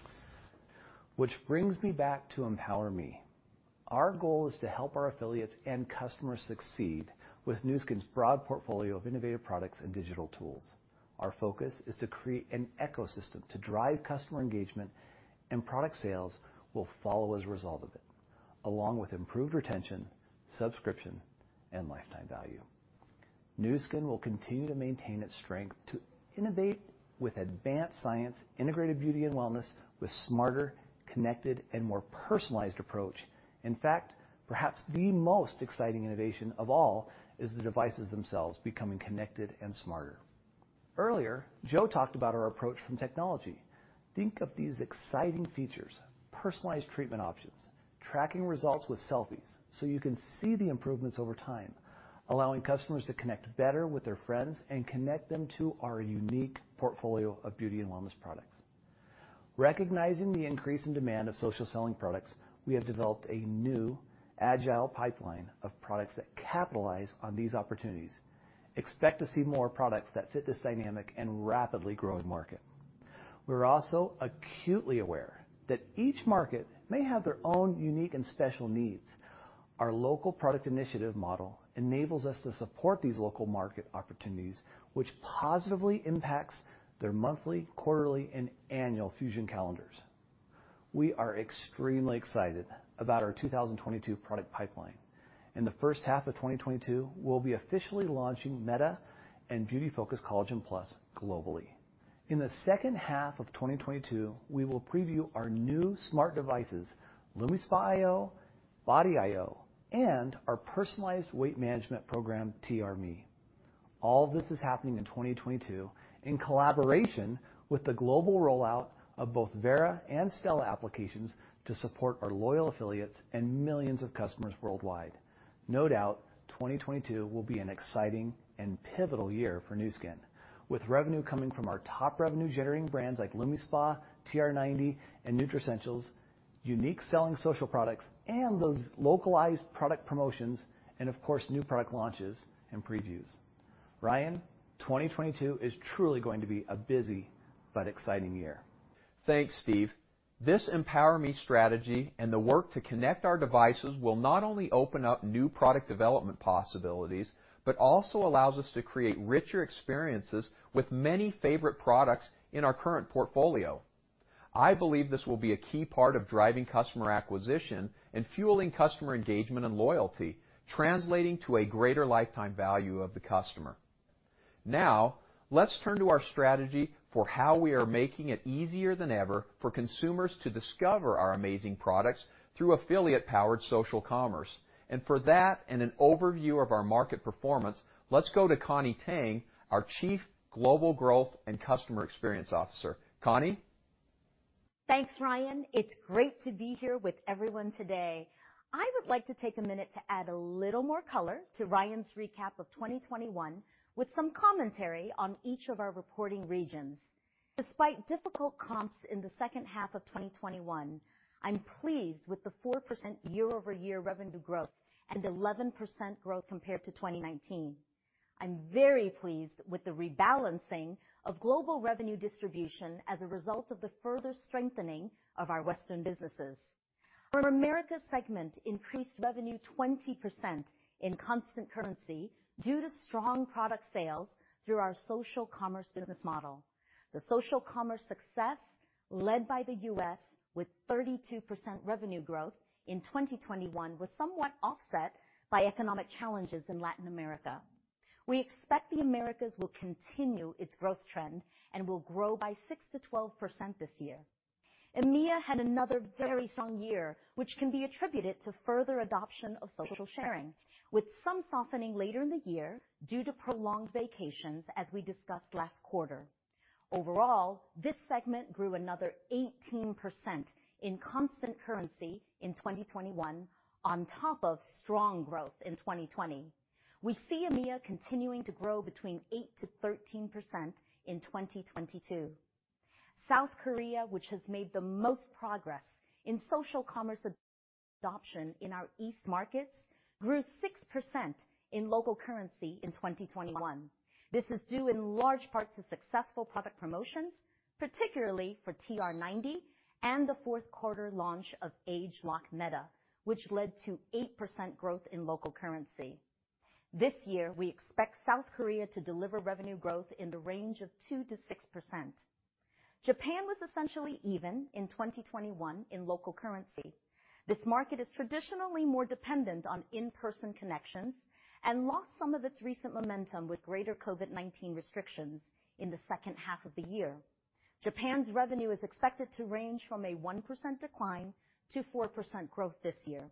Which brings me back to EmpowerMe. Our goal is to help our affiliates and customers succeed with Nu Skin's broad portfolio of innovative products and digital tools. Our focus is to create an ecosystem to drive customer engagement, and product sales will follow as a result of it, along with improved retention, subscription, and lifetime value. Nu Skin will continue to maintain its strength to innovate with advanced science, integrated beauty, and wellness with smarter, connected, and more personalized approach. In fact, perhaps the most exciting innovation of all is the devices themselves becoming connected and smarter. Earlier, Joe talked about our approach from technology. Think of these exciting features, personalized treatment options, tracking results with selfies so you can see the improvements over time, allowing customers to connect better with their friends and connect them to our unique portfolio of beauty and wellness products. Recognizing the increase in demand of social selling products, we have developed a new agile pipeline of products that capitalize on these opportunities. Expect to see more products that fit this dynamic and rapidly growing market. We're also acutely aware that each market may have their own unique and special needs. Our local product initiative model enables us to support these local market opportunities, which positively impacts their monthly, quarterly, and annual Fusion Calendars. We are extremely excited about our 2022 product pipeline. In the first half of 2022, we'll be officially launching Meta and Beauty Focus Collagen+ globally. In the second half of 2022, we will preview our new smart devices, LumiSpa iO, Body iO, and our personalized weight management program, TRMe. All this is happening in 2022 in collaboration with the global rollout of both Vera and Stela applications to support our loyal affiliates and millions of customers worldwide. No doubt, 2022 will be an exciting and pivotal year for Nu Skin, with revenue coming from our top revenue-generating brands like LumiSpa, TR90, and Nutricentials, unique selling social products, and those localized product promotions, and of course, new product launches and previews. Ryan, 2022 is truly going to be a busy but exciting year. Thanks, Steve. This EmpowerMe strategy and the work to connect our devices will not only open up new product development possibilities, but also allows us to create richer experiences with many favorite products in our current portfolio. I believe this will be a key part of driving customer acquisition and fueling customer engagement and loyalty, translating to a greater lifetime value of the customer. Now, let's turn to our strategy for how we are making it easier than ever for consumers to discover our amazing products through affiliate-powered social commerce. For that, and an overview of our market performance, let's go to Connie Tang, our Chief Global Growth and Customer Experience Officer. Connie? Thanks, Ryan. It's great to be here with everyone today. I would like to take a minute to add a little more color to Ryan's recap of 2021 with some commentary on each of our reporting regions. Despite difficult comps in the second half of 2021, I'm pleased with the 4% year-over-year revenue growth and 11% growth compared to 2019. I'm very pleased with the rebalancing of global revenue distribution as a result of the further strengthening of our Western businesses. Our Americas segment increased revenue 20% in constant currency due to strong product sales through our social commerce business model. The social commerce success, led by the U.S. with 32% revenue growth in 2021, was somewhat offset by economic challenges in Latin America. We expect the Americas will continue its growth trend and will grow by 6%-12% this year. EMEA had another very strong year, which can be attributed to further adoption of social sharing, with some softening later in the year due to prolonged vacations as we discussed last quarter. Overall, this segment grew another 18% in constant currency in 2021, on top of strong growth in 2020. We see EMEA continuing to grow between 8%-13% in 2022. South Korea, which has made the most progress in social commerce adoption in our East markets, grew 6% in local currency in 2021. This is due in large part to successful product promotions, particularly for TR90 and the fourth quarter launch of ageLOC Meta, which led to 8% growth in local currency. This year, we expect South Korea to deliver revenue growth in the range of 2%-6%. Japan was essentially even in 2021 in local currency. This market is traditionally more dependent on in-person connections and lost some of its recent momentum with greater COVID-19 restrictions in the second half of the year. Japan's revenue is expected to range from a 1% decline to 4% growth this year.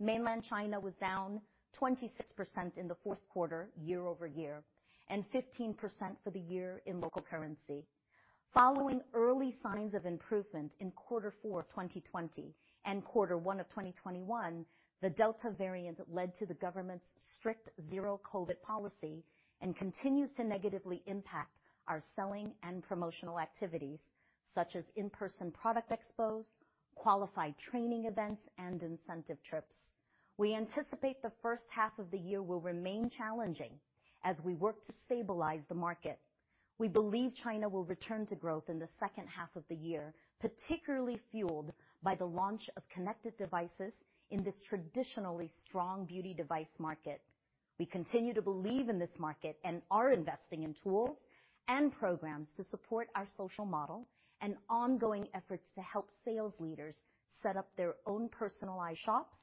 Mainland China was down 26% in the fourth quarter year-over-year, and 15% for the year in local currency. Following early signs of improvement in quarter four 2020 and quarter one of 2021, the Delta variant led to the government's strict zero-COVID policy and continues to negatively impact our selling and promotional activities, such as in-person product expos, qualified training events, and incentive trips. We anticipate the first half of the year will remain challenging as we work to stabilize the market. We believe China will return to growth in the second half of the year, particularly fueled by the launch of connected devices in this traditionally strong beauty device market. We continue to believe in this market and are investing in tools and programs to support our social model and ongoing efforts to help sales leaders set up their own personalized shops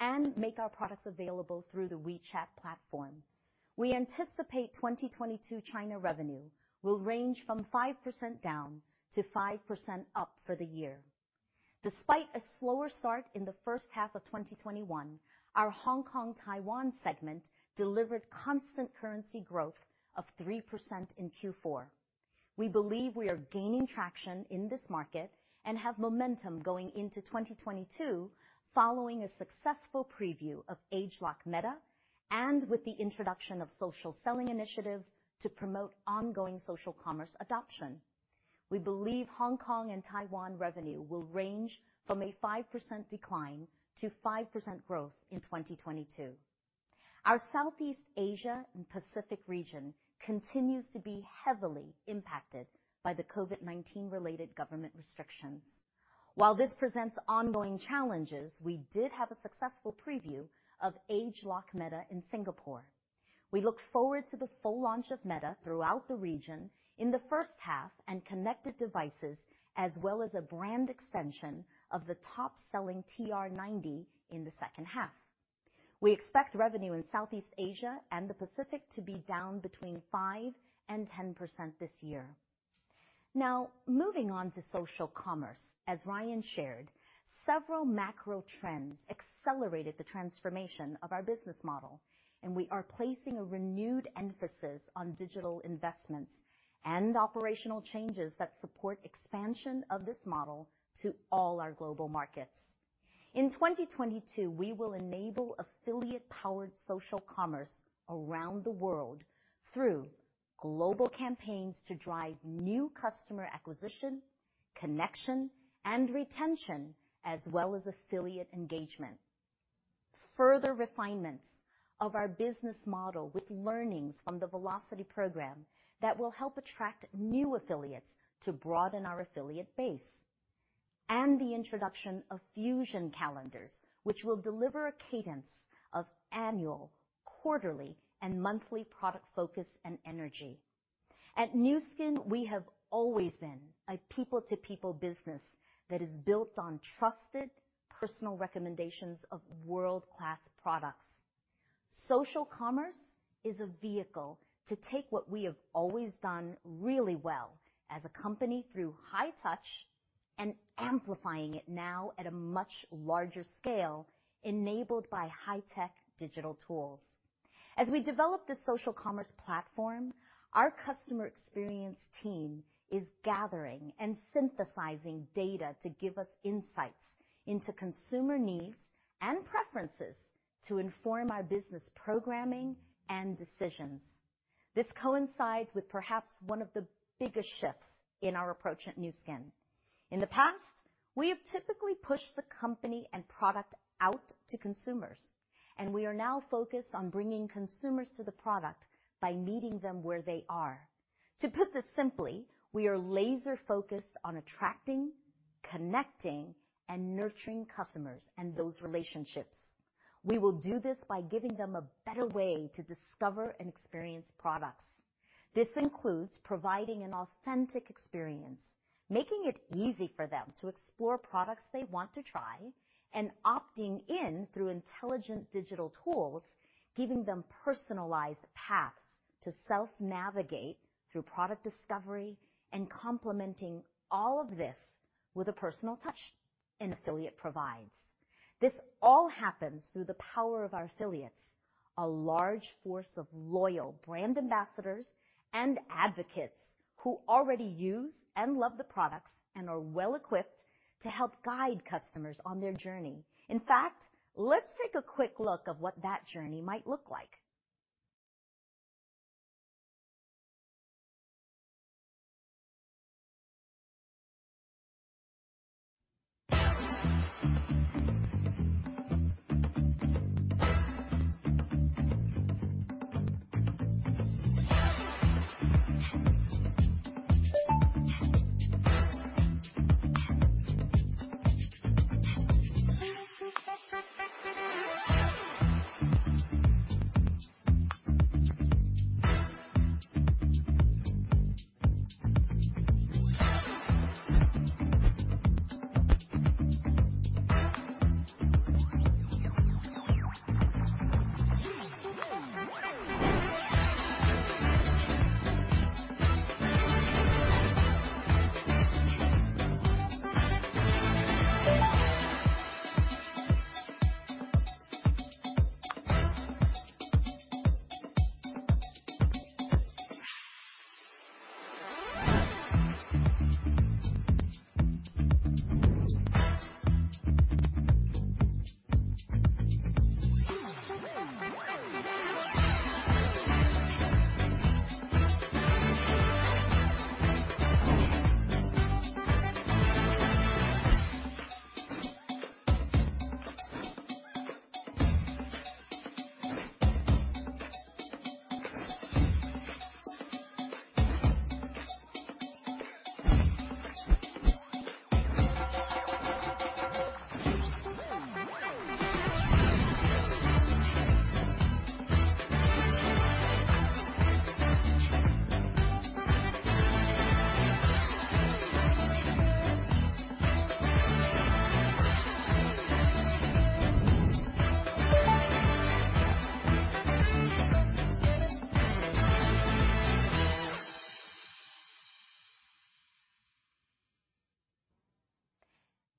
and make our products available through the WeChat platform. We anticipate 2022 China revenue will range from 5% down to 5% up for the year. Despite a slower start in the first half of 2021, our Hong Kong, Taiwan segment delivered constant currency growth of 3% in Q4. We believe we are gaining traction in this market and have momentum going into 2022 following a successful preview of ageLOC Meta, and with the introduction of social selling initiatives to promote ongoing social commerce adoption. We believe Hong Kong and Taiwan revenue will range from a 5% decline to 5% growth in 2022. Our Southeast Asia and Pacific region continues to be heavily impacted by the COVID-19 related government restrictions. While this presents ongoing challenges, we did have a successful preview of ageLOC Meta in Singapore. We look forward to the full launch of Meta throughout the region in the first half and connected devices, as well as a brand extension of the top-selling TR90 in the second half. We expect revenue in Southeast Asia and the Pacific to be down 5%-10% this year. Now, moving on to social commerce. As Ryan shared, several macro trends accelerated the transformation of our business model, and we are placing a renewed emphasis on digital investments and operational changes that support expansion of this model to all our global markets. In 2022, we will enable affiliate-powered social commerce around the world through global campaigns to drive new customer acquisition, connection, and retention, as well as affiliate engagement. Further refinements of our business model with learnings from the Velocity program that will help attract new affiliates to broaden our affiliate base. The introduction of Fusion Calendars, which will deliver a cadence of annual, quarterly, and monthly product focus and energy. At Nu Skin, we have always been a people-to-people business that is built on trusted personal recommendations of world-class products. Social commerce is a vehicle to take what we have always done really well as a company through high touch and amplifying it now at a much larger scale, enabled by high-tech digital tools. As we develop the social commerce platform, our customer experience team is gathering and synthesizing data to give us insights into consumer needs and preferences to inform our business programming and decisions. This coincides with perhaps one of the biggest shifts in our approach at Nu Skin. In the past, we have typically pushed the company and product out to consumers, and we are now focused on bringing consumers to the product by meeting them where they are. To put this simply, we are laser-focused on attracting, connecting, and nurturing customers and those relationships. We will do this by giving them a better way to discover and experience products. This includes providing an authentic experience, making it easy for them to explore products they want to try, and opting in through intelligent digital tools, giving them personalized paths to self-navigate through product discovery, and complementing all of this with a personal touch an affiliate provides. This all happens through the power of our affiliates, a large force of loyal brand ambassadors and advocates who already use and love the products and are well-equipped to help guide customers on their journey. In fact, let's take a quick look at what that journey might look like.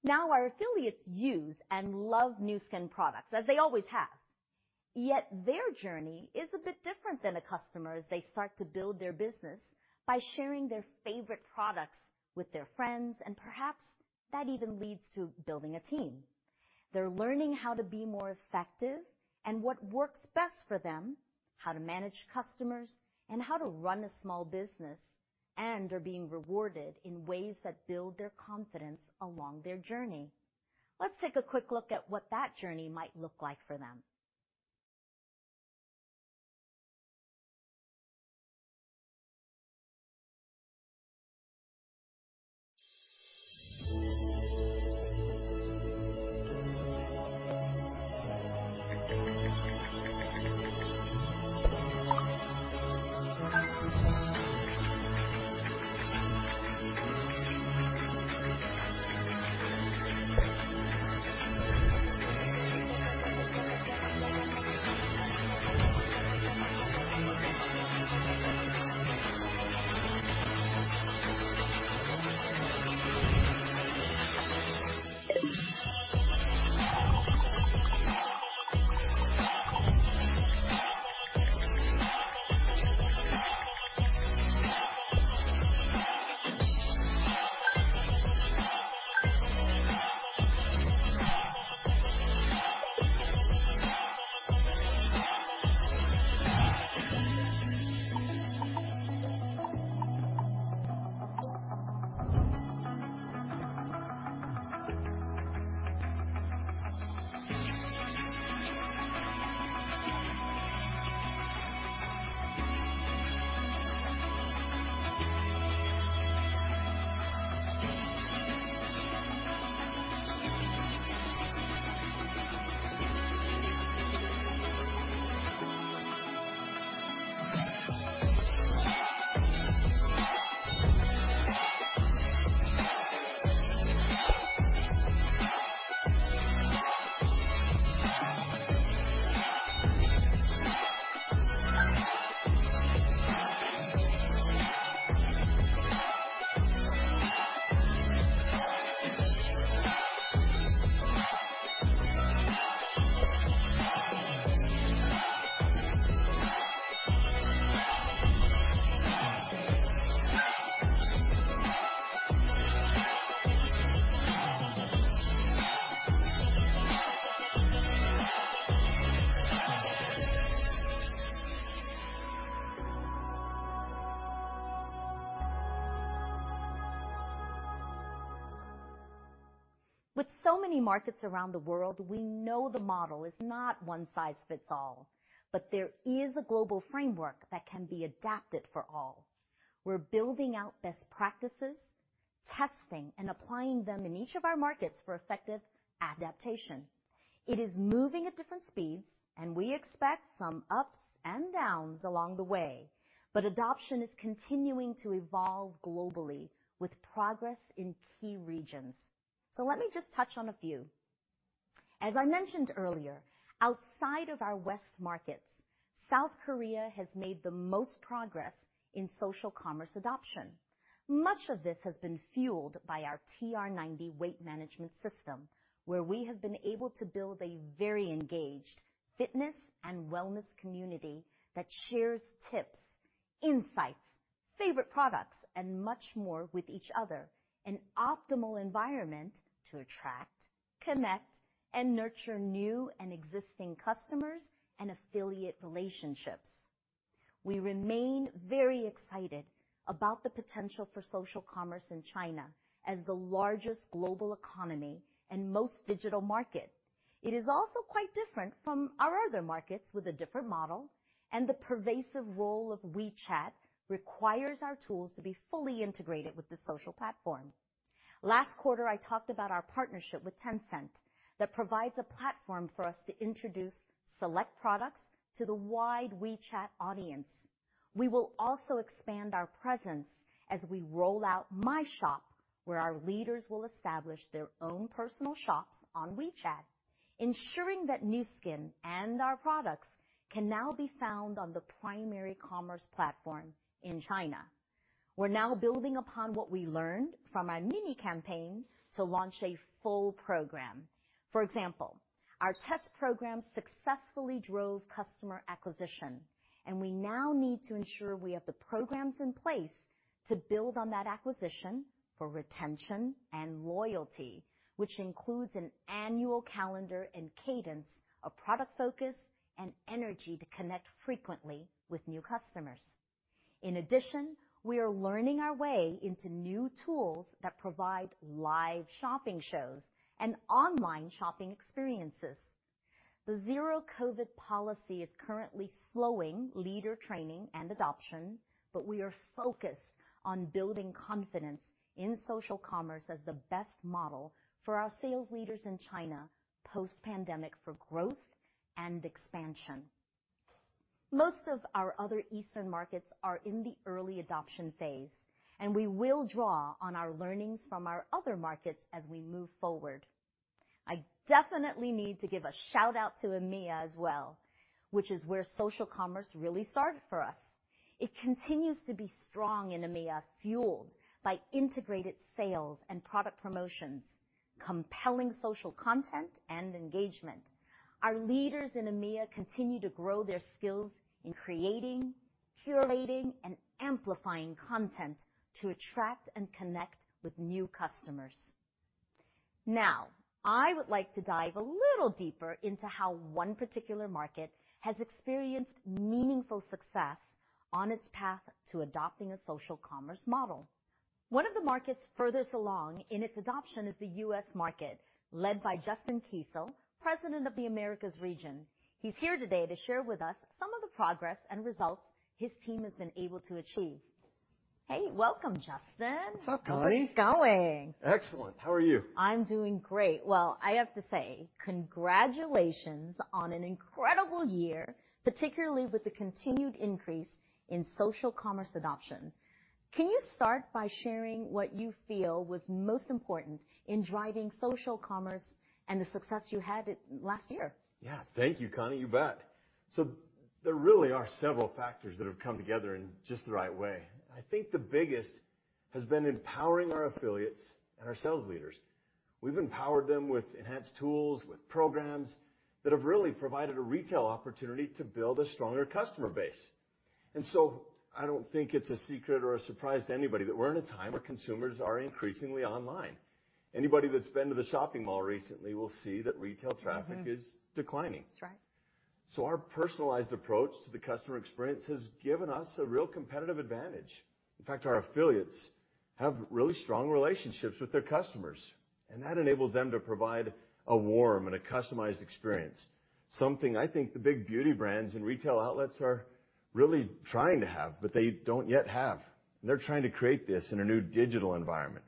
Now our affiliates use and love Nu Skin products as they always have. Yet their journey is a bit different than a customer as they start to build their business by sharing their favorite products with their friends, and perhaps that even leads to building a team. They're learning how to be more effective and what works best for them, how to manage customers, and how to run a small business, and are being rewarded in ways that build their confidence along their journey. Let's take a quick look at what that journey might look like for them. With so many markets around the world, we know the model is not one size fits all, but there is a global framework that can be adapted for all. We're building out best practices, testing, and applying them in each of our markets for effective adaptation. It is moving at different speeds, and we expect some ups and downs along the way, but adoption is continuing to evolve globally with progress in key regions. Let me just touch on a few. As I mentioned earlier, outside of our West markets, South Korea has made the most progress in social commerce adoption. Much of this has been fueled by our TR90 weight management system, where we have been able to build a very engaged fitness and wellness community that shares tips, insights, favorite products, and much more with each other, an optimal environment to attract, connect, and nurture new and existing customers and affiliate relationships. We remain very excited about the potential for social commerce in China as the largest global economy and most digital market. It is also quite different from our other markets with a different model, and the pervasive role of WeChat requires our tools to be fully integrated with the social platform. Last quarter, I talked about our partnership with Tencent that provides a platform for us to introduce select products to the wide WeChat audience. We will also expand our presence as we roll out My Shop, where our leaders will establish their own personal shops on WeChat, ensuring that Nu Skin and our products can now be found on the primary commerce platform in China. We're now building upon what we learned from our mini campaign to launch a full program. For example, our test program successfully drove customer acquisition, and we now need to ensure we have the programs in place to build on that acquisition for retention and loyalty, which includes an annual calendar and cadence of product focus and energy to connect frequently with new customers. In addition, we are learning our way into new tools that provide live shopping shows and online shopping experiences. The Zero-COVID policy is currently slowing leader training and adoption, but we are focused on building confidence in social commerce as the best model for our sales leaders in China post-pandemic for growth and expansion. Most of our other eastern markets are in the early adoption phase, and we will draw on our learnings from our other markets as we move forward. I definitely need to give a shout-out to EMEA as well, which is where social commerce really started for us. It continues to be strong in EMEA, fueled by integrated sales and product promotions, compelling social content, and engagement. Our leaders in EMEA continue to grow their skills in creating, curating, and amplifying content to attract and connect with new customers. Now, I would like to dive a little deeper into how one particular market has experienced meaningful success on its path to adopting a social commerce model. One of the markets furthest along in its adoption is the U.S. market, led by Justin Keisel, President, Americas. He's here today to share with us some of the progress and results his team has been able to achieve. Hey, welcome, Justin. What's up, Connie? How's it going? Excellent. How are you? I'm doing great. Well, I have to say, congratulations on an incredible year, particularly with the continued increase in social commerce adoption. Can you start by sharing what you feel was most important in driving social commerce and the success you had last year? Yeah. Thank you, Connie. You bet. There really are several factors that have come together in just the right way. I think the biggest has been empowering our affiliates and our sales leaders. We've empowered them with enhanced tools, with programs that have really provided a retail opportunity to build a stronger customer base. I don't think it's a secret or a surprise to anybody that we're in a time where consumers are increasingly online. Anybody that's been to the shopping mall recently will see that retail traffic is declining. That's right. Our personalized approach to the customer experience has given us a real competitive advantage. In fact, our affiliates have really strong relationships with their customers, and that enables them to provide a warm and a customized experience. Something I think the big beauty brands and retail outlets are really trying to have, but they don't yet have, and they're trying to create this in a new digital environment.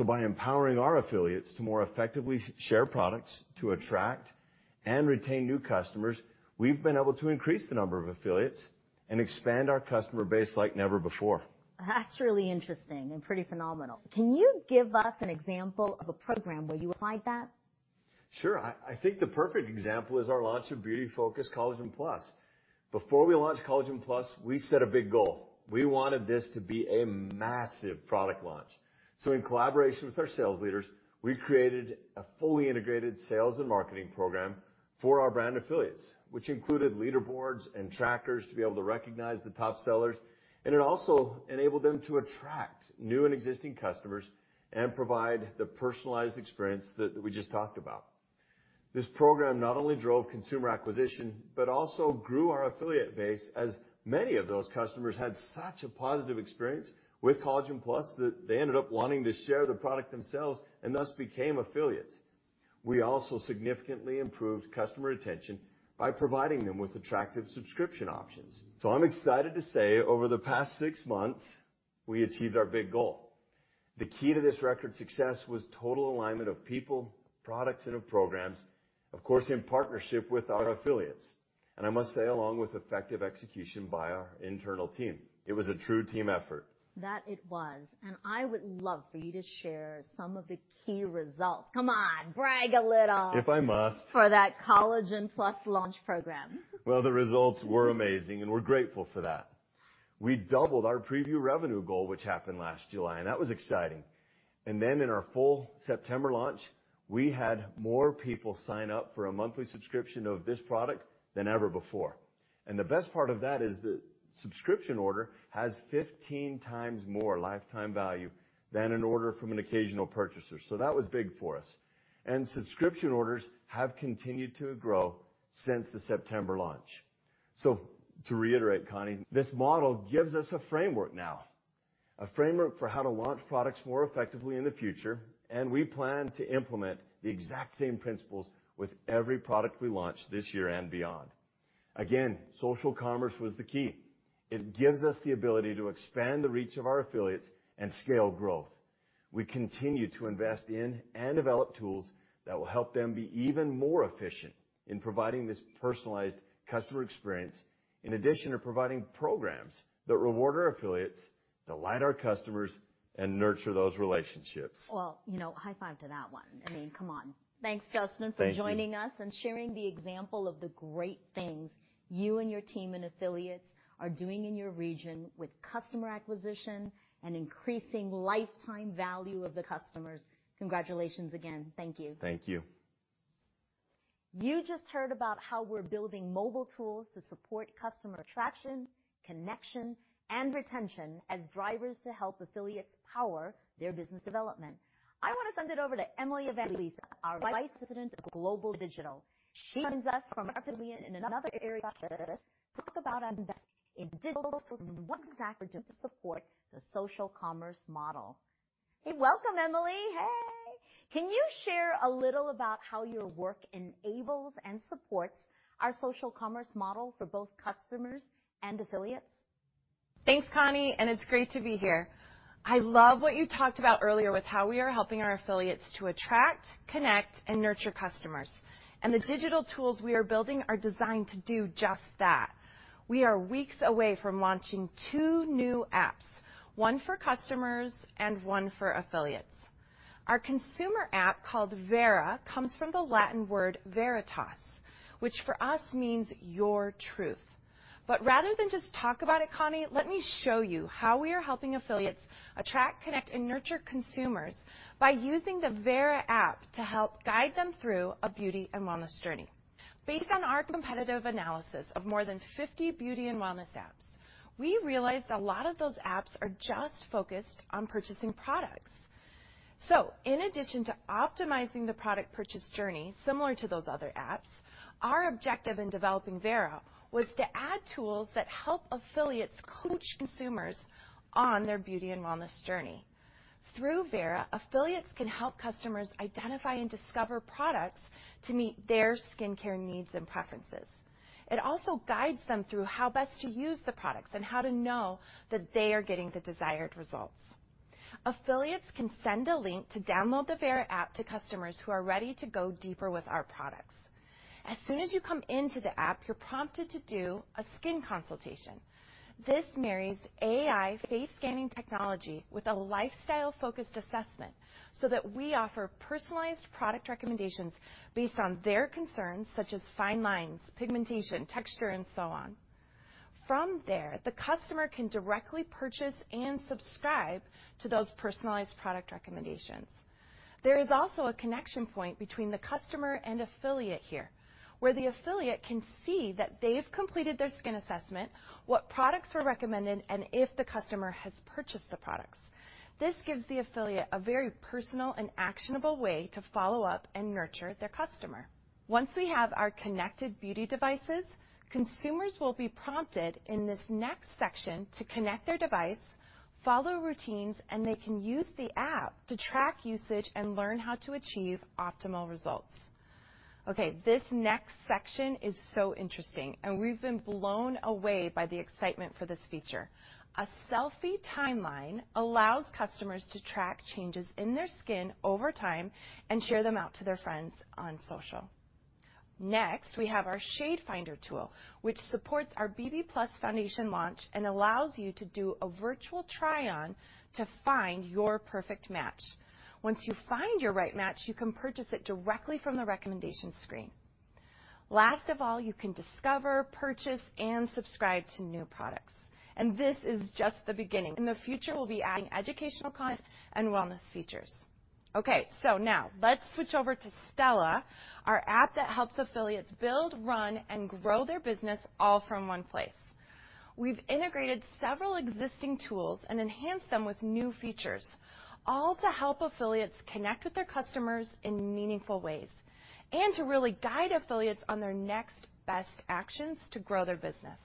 By empowering our affiliates to more effectively share products to attract and retain new customers, we've been able to increase the number of affiliates and expand our customer base like never before. That's really interesting and pretty phenomenal. Can you give us an example of a program where you applied that? Sure. I think the perfect example is our launch of Beauty Focus Collagen+. Before we launched Collagen+, we set a big goal. We wanted this to be a massive product launch. In collaboration with our sales leaders, we created a fully integrated sales and marketing program for our brand affiliates, which included leaderboards and trackers to be able to recognize the top sellers, and it also enabled them to attract new and existing customers and provide the personalized experience that we just talked about. This program not only drove consumer acquisition but also grew our affiliate base as many of those customers had such a positive experience with Collagen+ that they ended up wanting to share the product themselves and thus became affiliates. We also significantly improved customer retention by providing them with attractive subscription options. I'm excited to say, over the past six months, we achieved our big goal. The key to this record success was total alignment of people, products, and of programs, of course, in partnership with our affiliates, and I must say, along with effective execution by our internal team. It was a true team effort. That it was. I would love for you to share some of the key results. Come on, brag a little. If I must. for that Collagen+ launch program. Well, the results were amazing, and we're grateful for that. We doubled our preview revenue goal, which happened last July, and that was exciting. In our full September launch, we had more people sign up for a monthly subscription of this product than ever before. The best part of that is the subscription order has 15x more lifetime value than an order from an occasional purchaser, so that was big for us. Subscription orders have continued to grow since the September launch. To reiterate, Connie, this model gives us a framework now. A framework for how to launch products more effectively in the future, and we plan to implement the exact same principles with every product we launch this year and beyond. Again, social commerce was the key. It gives us the ability to expand the reach of our affiliates and scale growth. We continue to invest in and develop tools that will help them be even more efficient in providing this personalized customer experience, in addition to providing programs that reward our affiliates, delight our customers, and nurture those relationships. Well, high five to that one. I mean, come on. Thanks, Justin. Thank you.... for joining us and sharing the example of the great things you and your team and affiliates are doing in your region with customer acquisition and increasing lifetime value of the customers. Congratulations again. Thank you. Thank you. You just heard about how we're building mobile tools to support customer attraction, connection, and retention as drivers to help affiliates power their business development. I want to send it over to Emily Evangelista, our Vice President of Global Digital. She joins us to talk about investing in digital tools and what strategies to support the social commerce model. Hey, welcome Emily. Hey. Can you share a little about how your work enables and supports our social commerce model for both customers and affiliates? Thanks, Connie, and it's great to be here. I love what you talked about earlier with how we are helping our affiliates to attract, connect, and nurture customers, and the digital tools we are building are designed to do just that. We are weeks away from launching two new apps, one for customers and one for affiliates. Our consumer app, called Vera, comes from the Latin word Veritas, which for us means your truth. But rather than just talk about it, Connie, let me show you how we are helping affiliates attract, connect, and nurture consumers by using the Vera app to help guide them through a beauty and wellness journey. Based on our competitive analysis of more than 50 beauty and wellness apps, we realized a lot of those apps are just focused on purchasing products. In addition to optimizing the product purchase journey similar to those other apps, our objective in developing Vera was to add tools that help affiliates coach consumers on their beauty and wellness journey. Through Vera, affiliates can help customers identify and discover products to meet their skincare needs and preferences. It also guides them through how best to use the products and how to know that they are getting the desired results. Affiliates can send a link to download the Vera app to customers who are ready to go deeper with our products. As soon as you come into the app, you're prompted to do a skin consultation. This marries AI face-scanning technology with a lifestyle-focused assessment so that we offer personalized product recommendations based on their concerns, such as fine lines, pigmentation, texture, and so on. From there, the customer can directly purchase and subscribe to those personalized product recommendations. There is also a connection point between the customer and affiliate here, where the affiliate can see that they've completed their skin assessment, what products were recommended, and if the customer has purchased the products. This gives the affiliate a very personal and actionable way to follow up and nurture their customer. Once we have our connected beauty devices, consumers will be prompted in this next section to connect their device, follow routines, and they can use the app to track usage and learn how to achieve optimal results. Okay. This next section is so interesting, and we've been blown away by the excitement for this feature. A selfie timeline allows customers to track changes in their skin over time and share them out to their friends on social. Next, we have our shade finder tool, which supports our BB+ Foundation launch and allows you to do a virtual try-on to find your perfect match. Once you find your right match, you can purchase it directly from the recommendation screen. Last of all, you can discover, purchase, and subscribe to new products, and this is just the beginning. In the future, we'll be adding educational content and wellness features. Okay. Now let's switch over to Stela, our app that helps affiliates build, run, and grow their business all from one place. We've integrated several existing tools and enhanced them with new features, all to help affiliates connect with their customers in meaningful ways and to really guide affiliates on their next best actions to grow their business.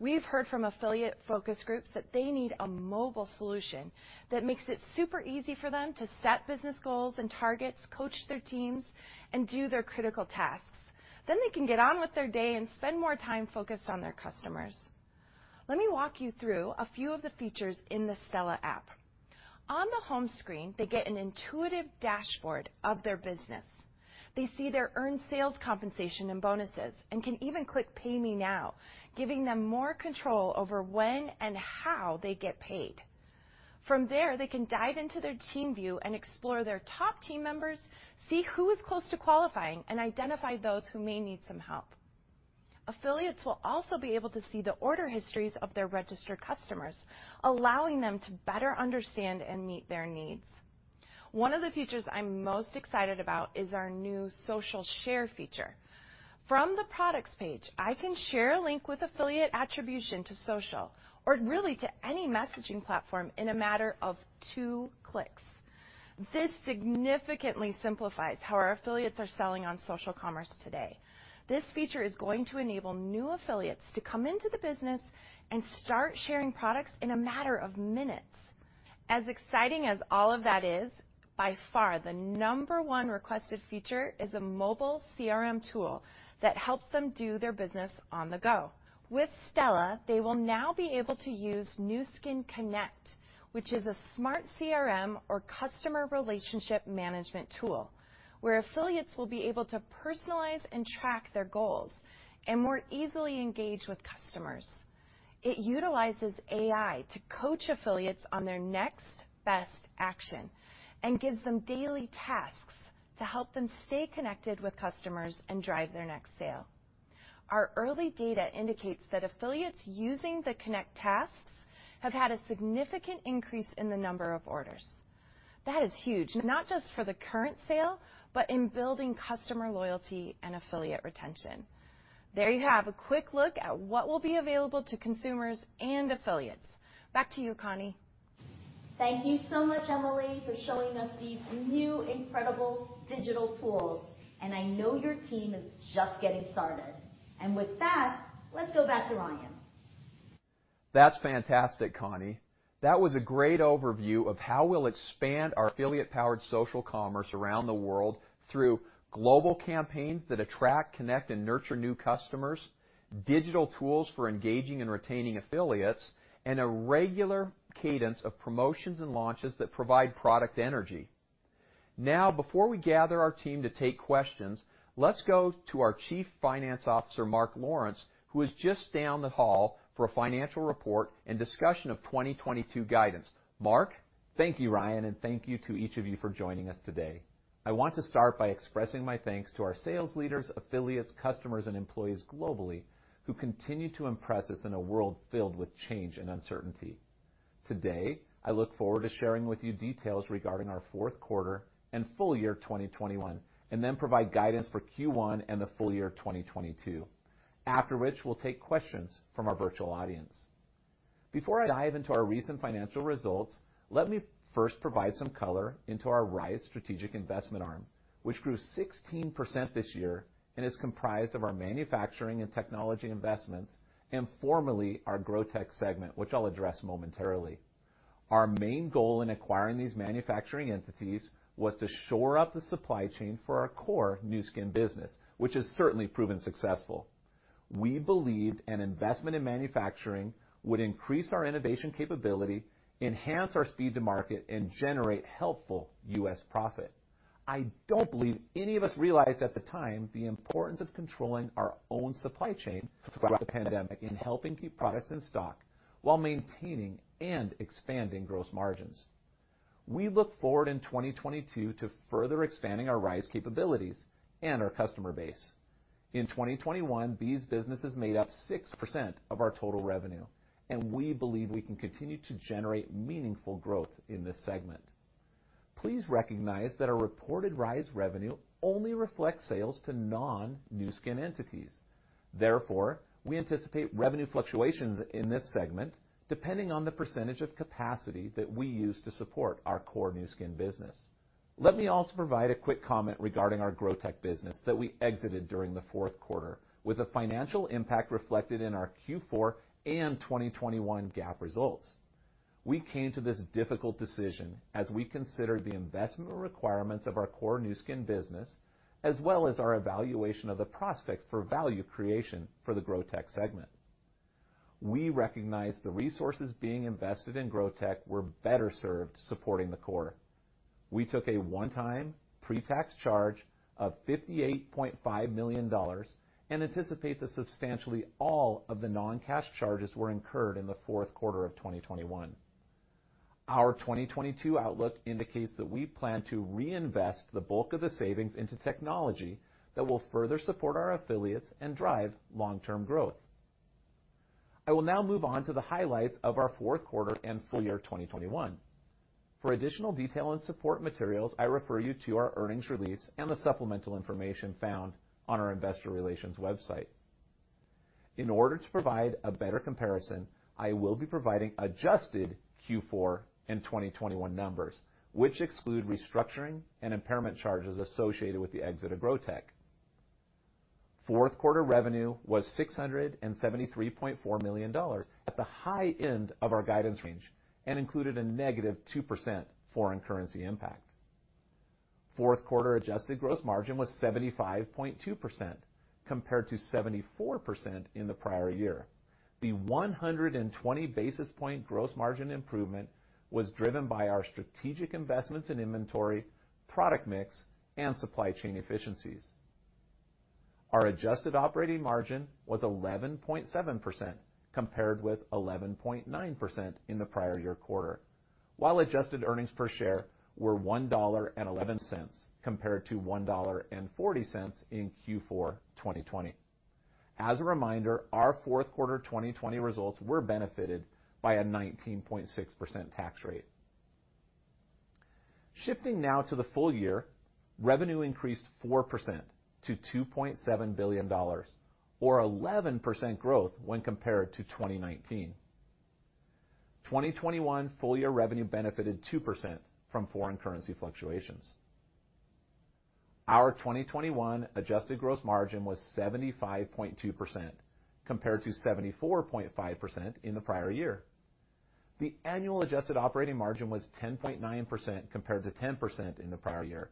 We've heard from affiliate focus groups that they need a mobile solution that makes it super easy for them to set business goals and targets, coach their teams, and do their critical tasks. They can get on with their day and spend more time focused on their customers. Let me walk you through a few of the features in the Stela app. On the home screen, they get an intuitive dashboard of their business. They see their earned sales compensation and bonuses and can even click Pay Me Now, giving them more control over when and how they get paid. From there, they can dive into their team view and explore their top team members, see who is close to qualifying, and identify those who may need some help. Affiliates will also be able to see the order histories of their registered customers, allowing them to better understand and meet their needs. One of the features I'm most excited about is our new social share feature. From the products page, I can share a link with affiliate attribution to social or really to any messaging platform in a matter of two clicks. This significantly simplifies how our affiliates are selling on social commerce today. This feature is going to enable new affiliates to come into the business and start sharing products in a matter of minutes. As exciting as all of that is, by far the number one requested feature is a mobile CRM tool that helps them do their business on the go. With Stela, they will now be able to use Nu Skin Connect, which is a smart CRM or customer relationship management tool, where affiliates will be able to personalize and track their goals and more easily engage with customers. It utilizes AI to coach affiliates on their next best action and gives them daily tasks to help them stay connected with customers and drive their next sale. Our early data indicates that affiliates using the Connect tasks have had a significant increase in the number of orders. That is huge, not just for the current sale, but in building customer loyalty and affiliate retention. There you have a quick look at what will be available to consumers and affiliates. Back to you, Connie. Thank you so much, Emily, for showing us these new incredible digital tools. I know your team is just getting started. With that, let's go back to Ryan. That's fantastic, Connie. That was a great overview of how we'll expand our affiliate-powered social commerce around the world through global campaigns that attract, connect, and nurture new customers, digital tools for engaging and retaining affiliates, and a regular cadence of promotions and launches that provide product energy. Now, before we gather our team to take questions, let's go to our Chief Financial Officer, Mark Lawrence, who is just down the hall for a financial report and discussion of 2022 guidance. Mark? Thank you, Ryan, and thank you to each of you for joining us today. I want to start by expressing my thanks to our sales leaders, affiliates, customers, and employees globally, who continue to impress us in a world filled with change and uncertainty. Today, I look forward to sharing with you details regarding our fourth quarter and full year 2021, and then provide guidance for Q1 and the full year 2022, after which we'll take questions from our virtual audience. Before I dive into our recent financial results, let me first provide some color into our Rhyz strategic investment arm, which grew 16% this year and is comprised of our manufacturing and technology investments, and formerly our Grow Tech segment, which I'll address momentarily. Our main goal in acquiring these manufacturing entities was to shore up the supply chain for our core Nu Skin business, which has certainly proven successful. We believed an investment in manufacturing would increase our innovation capability, enhance our speed to market, and generate helpful U.S. profit. I don't believe any of us realized at the time the importance of controlling our own supply chain throughout the pandemic and helping keep products in stock while maintaining and expanding gross margins. We look forward in 2022 to further expanding our RISE capabilities and our customer base. In 2021, these businesses made up 6% of our total revenue, and we believe we can continue to generate meaningful growth in this segment. Please recognize that a reported RISE revenue only reflects sales to non-Nu Skin entities. Therefore, we anticipate revenue fluctuations in this segment, depending on the percentage of capacity that we use to support our core Nu Skin business. Let me also provide a quick comment regarding our Grow Tech business that we exited during the fourth quarter with a financial impact reflected in our Q4 and 2021 GAAP results. We came to this difficult decision as we considered the investment requirements of our core Nu Skin business, as well as our evaluation of the prospects for value creation for the Grow Tech segment. We recognized the resources being invested in Grow Tech were better served supporting the core. We took a one-time pre-tax charge of $58.5 million and anticipate that substantially all of the non-cash charges were incurred in the fourth quarter of 2021. Our 2022 outlook indicates that we plan to reinvest the bulk of the savings into technology that will further support our affiliates and drive long-term growth. I will now move on to the highlights of our fourth quarter and full year 2021. For additional detail and support materials, I refer you to our earnings release and the supplemental information found on our investor relations website. In order to provide a better comparison, I will be providing adjusted Q4 and 2021 numbers, which exclude restructuring and impairment charges associated with the exit of Grow Tech. Fourth quarter revenue was $673.4 million at the high end of our guidance range and included a -2% foreign currency impact. Fourth quarter adjusted gross margin was 75.2%, compared to 74% in the prior year. The 120 basis point gross margin improvement was driven by our strategic investments in inventory, product mix, and supply chain efficiencies. Our adjusted operating margin was 11.7%, compared with 11.9% in the prior year quarter, while adjusted earnings per share were $1.11 compared to $1.40 in Q4 2020. As a reminder, our fourth quarter 2020 results were benefited by a 19.6% tax rate. Shifting now to the full year, revenue increased 4% to $2.7 billion, or 11% growth when compared to 2019. 2021 full year revenue benefited 2% from foreign currency fluctuations. Our 2021 adjusted gross margin was 75.2%, compared to 74.5% in the prior year. The annual adjusted operating margin was 10.9%, compared to 10% in the prior year.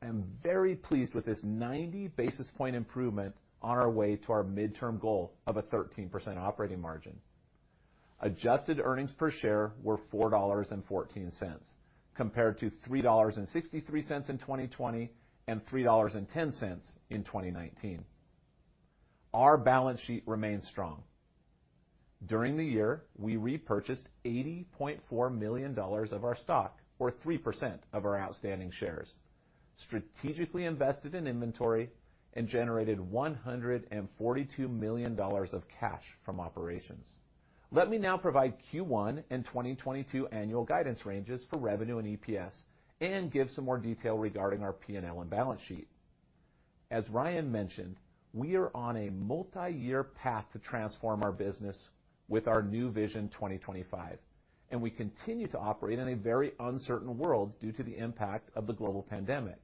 I'm very pleased with this 90 basis point improvement on our way to our midterm goal of a 13% operating margin. Adjusted earnings per share were $4.14, compared to $3.63 in 2020, and $3.10 in 2019. Our balance sheet remains strong. During the year, we repurchased $80.4 million of our stock, or 3% of our outstanding shares, strategically invested in inventory, and generated $142 million of cash from operations. Let me now provide Q1 and 2022 annual guidance ranges for revenue and EPS and give some more detail regarding our P&L and balance sheet. As Ryan mentioned, we are on a multi-year path to transform our business with our Nu Vision 2025, and we continue to operate in a very uncertain world due to the impact of the global pandemic.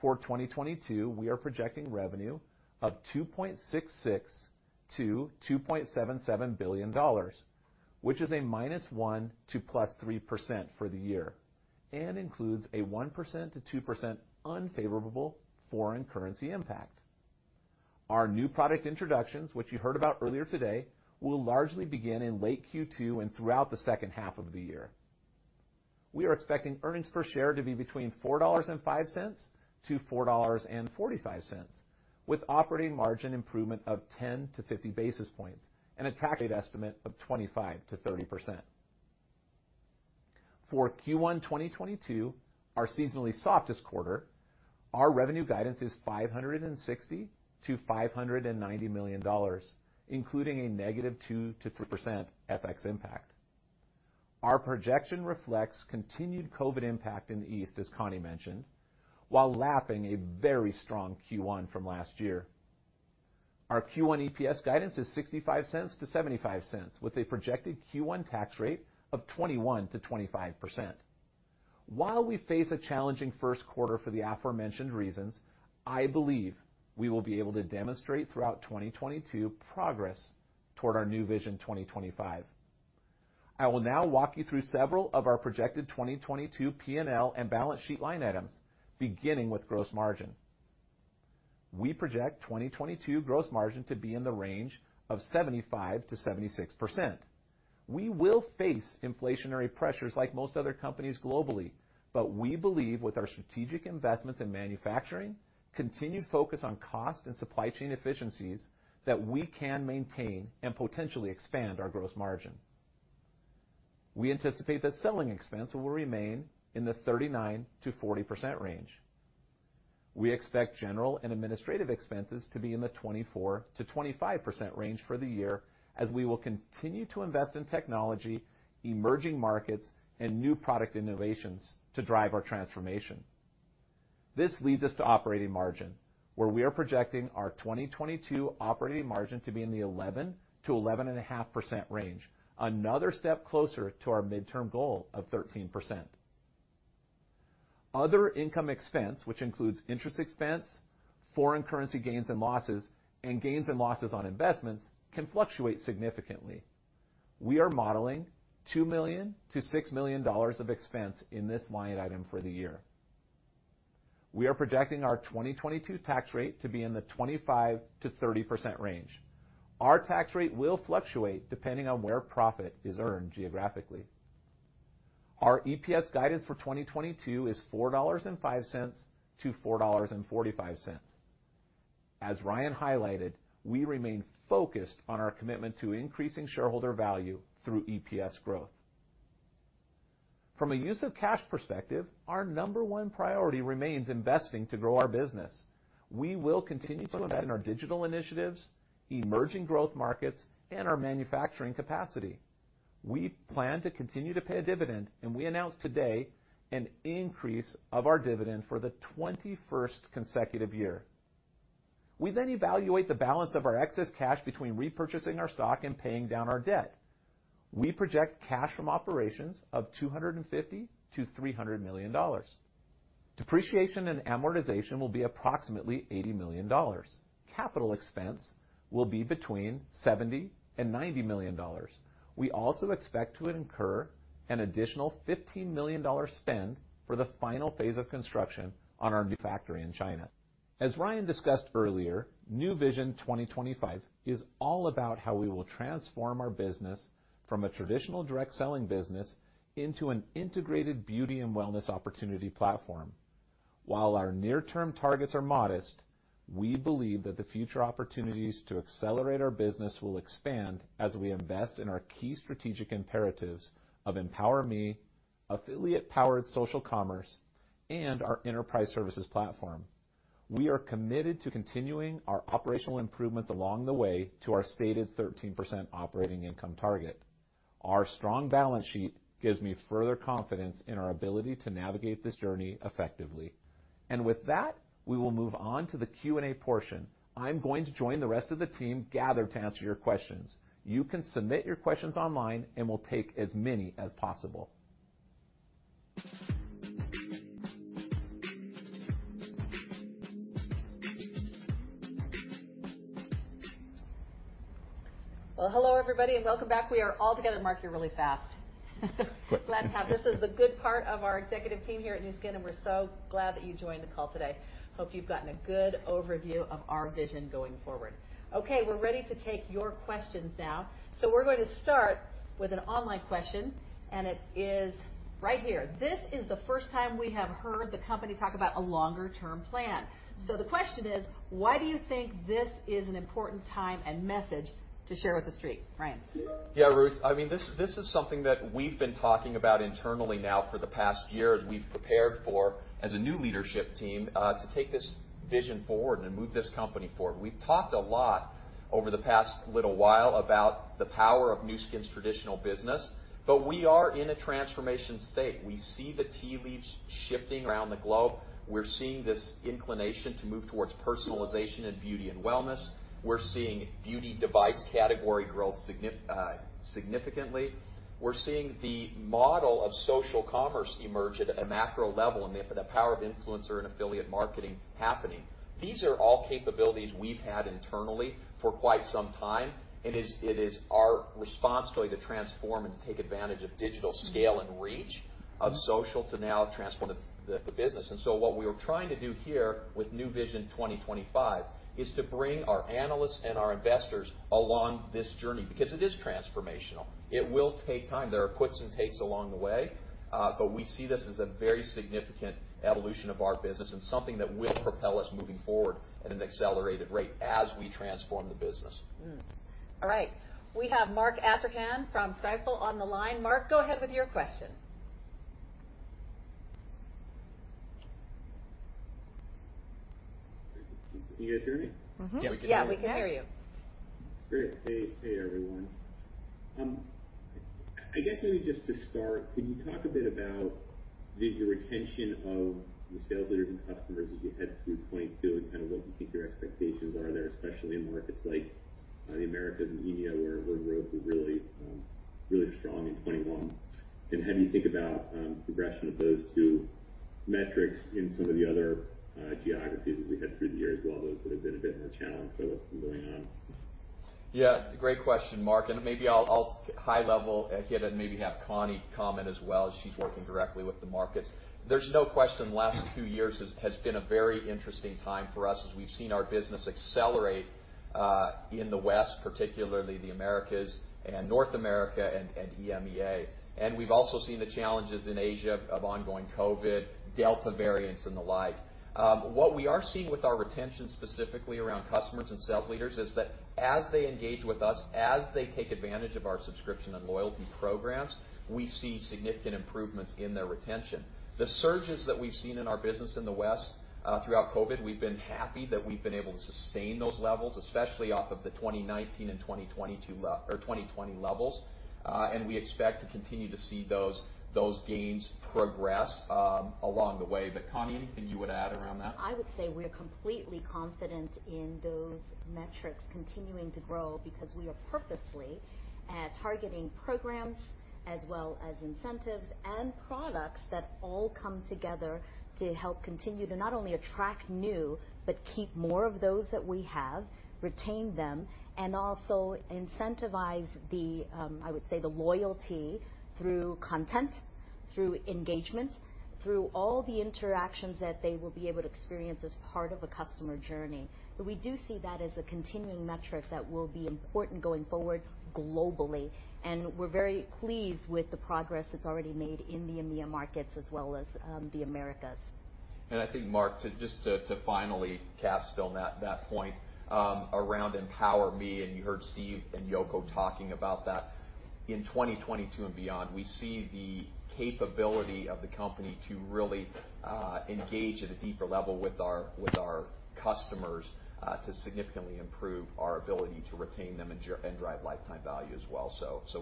For 2022, we are projecting revenue of $2.66-$2.77 billion, which is a -1% to +3% for the year, and includes a 1%-2% unfavorable foreign currency impact. Our new product introductions, which you heard about earlier today, will largely begin in late Q2 and throughout the second half of the year. We are expecting earnings per share to be between $4.05-$4.45, with operating margin improvement of 10 to 50 basis points and a tax rate estimate of 25%-30%. For Q1 2022, our seasonally softest quarter, our revenue guidance is $560 million-$590 million, including a negative 2%-3% FX impact. Our projection reflects continued COVID impact in the East, as Connie mentioned, while lapping a very strong Q1 from last year. Our Q1 EPS guidance is $0.65-$0.75, with a projected Q1 tax rate of 21%-25%. While we face a challenging first quarter for the aforementioned reasons, I believe we will be able to demonstrate, throughout 2022, progress toward our Nu Vision 2025. I will now walk you through several of our projected 2022 P&L and balance sheet line items, beginning with gross margin. We project 2022 gross margin to be in the range of 75%-76%. We will face inflationary pressures like most other companies globally, but we believe with our strategic investments in manufacturing, continued focus on cost and supply chain efficiencies, that we can maintain and potentially expand our gross margin. We anticipate that selling expense will remain in the 39%-40% range. We expect general and administrative expenses to be in the 24%-25% range for the year, as we will continue to invest in technology, emerging markets, and new product innovations to drive our transformation. This leads us to operating margin, where we are projecting our 2022 operating margin to be in the 11%-11.5% range, another step closer to our midterm goal of 13%. Other income expense, which includes interest expense, foreign currency gains and losses, and gains and losses on investments, can fluctuate significantly. We are modeling $2 million-$6 million of expense in this line item for the year. We are projecting our 2022 tax rate to be in the 25%-30% range. Our tax rate will fluctuate depending on where profit is earned geographically. Our EPS guidance for 2022 is $4.05-$4.45. As Ryan highlighted, we remain focused on our commitment to increasing shareholder value through EPS growth. From a use of cash perspective, our number one priority remains investing to grow our business. We will continue to invest in our digital initiatives, emerging growth markets, and our manufacturing capacity. We plan to continue to pay a dividend, and we announced today an increase of our dividend for the 21st consecutive year. We evaluate the balance of our excess cash between repurchasing our stock and paying down our debt. We project cash from operations of $250-$300 million. Depreciation and amortization will be approximately $80 million. Capital expense will be between $70-$90 million. We also expect to incur an additional $15 million spend for the final phase of construction on our new factory in China. As Ryan discussed earlier, Nu Vision 2025 is all about how we will transform our business from a traditional direct selling business into an integrated beauty and wellness opportunity platform. While our near-term targets are modest, we believe that the future opportunities to accelerate our business will expand as we invest in our key strategic imperatives of EmpowerMe, affiliate-powered social commerce, and our enterprise services platform. We are committed to continuing our operational improvements along the way to our stated 13% operating income target. Our strong balance sheet gives me further confidence in our ability to navigate this journey effectively. With that, we will move on to the Q&A portion. I'm going to join the rest of the team gathered to answer your questions. You can submit your questions online and we'll take as many as possible. Well, hello, everybody, and welcome back. We are all together. Mark, you're really fast. Glad to have this is the good part of our executive team here at Nu Skin, and we're so glad that you joined the call today. Hope you've gotten a good overview of our vision going forward. Okay, we're ready to take your questions now. We're going to start with an online question, and it is right here. This is the first time we have heard the company talk about a longer term plan. The question is, why do you think this is an important time and message to share with the Street, Ryan? Yeah, Ruth. This is something that we've been talking about internally now for the past year, as we've prepared for, as a new leadership team, to take this vision forward and move this company forward. We've talked a lot over the past little while about the power of Nu Skin's traditional business, but we are in a transformation state. We see the tea leaves shifting around the globe. We're seeing this inclination to move towards personalization in beauty and wellness. We're seeing beauty device category grow significantly. We're seeing the model of social commerce emerge at a macro level, and the power of influencer and affiliate marketing happening. These are all capabilities we've had internally for quite some time. It is our responsibility to transform and take advantage of digital scale and reach of social to now transform the business. What we're trying to do here with Nu Vision 2025 is to bring our analysts and our investors along this journey, because it is transformational. It will take time. There are puts and takes along the way, but we see this as a very significant evolution of our business and something that will propel us moving forward at an accelerated rate as we transform the business. All right. We have Mark Astrachan from Stifel on the line. Mark, go ahead with your question. Can you guys hear me? Mm-hmm. Yeah, we can hear you. Yeah, we can hear you. Great. Hey, everyone. I guess maybe just to start, can you talk a bit about your retention of the sales leaders and customers as you head through 2022, and what you think your expectations are there, especially in markets like the Americas and EMEA, where growth was really strong in 2021? How do you think about progression of those two metrics in some of the other geographies as we head through the year as well, those that have been a bit more challenging for going on? Yeah, great question, Mark. Maybe I'll high level hit it and maybe have Connie comment as well, as she's working directly with the markets. There's no question, the last two years has been a very interesting time for us as we've seen our business accelerate, in the West, particularly the Americas and North America and EMEA. We've also seen the challenges in Asia of ongoing COVID, Delta variants and the like. What we are seeing with our retention, specifically around customers and sales leaders, is that as they engage with us, as they take advantage of our subscription and loyalty programs, we see significant improvements in their retention. The surges that we've seen in our business in the West, throughout COVID, we've been happy that we've been able to sustain those levels, especially off of the 2019 and 2020 levels. We expect to continue to see those gains progress along the way. Connie, anything you would add around that? I would say we're completely confident in those metrics continuing to grow because we are purposefully targeting programs as well as incentives and products that all come together to help continue to not only attract new, but keep more of those that we have, retain them, and also incentivize the, I would say, the loyalty through content, through engagement, through all the interactions that they will be able to experience as part of a customer journey. We do see that as a continuing metric that will be important going forward globally, and we're very pleased with the progress that's already made in the EMEA markets as well as the Americas. I think, Mark, just to finally capstone that point, around EmpowerMe, and you heard Steve and Yoko talking about that, in 2022 and beyond, we see the capability of the company to really engage at a deeper level with our customers, to significantly improve our ability to retain them and drive lifetime value as well.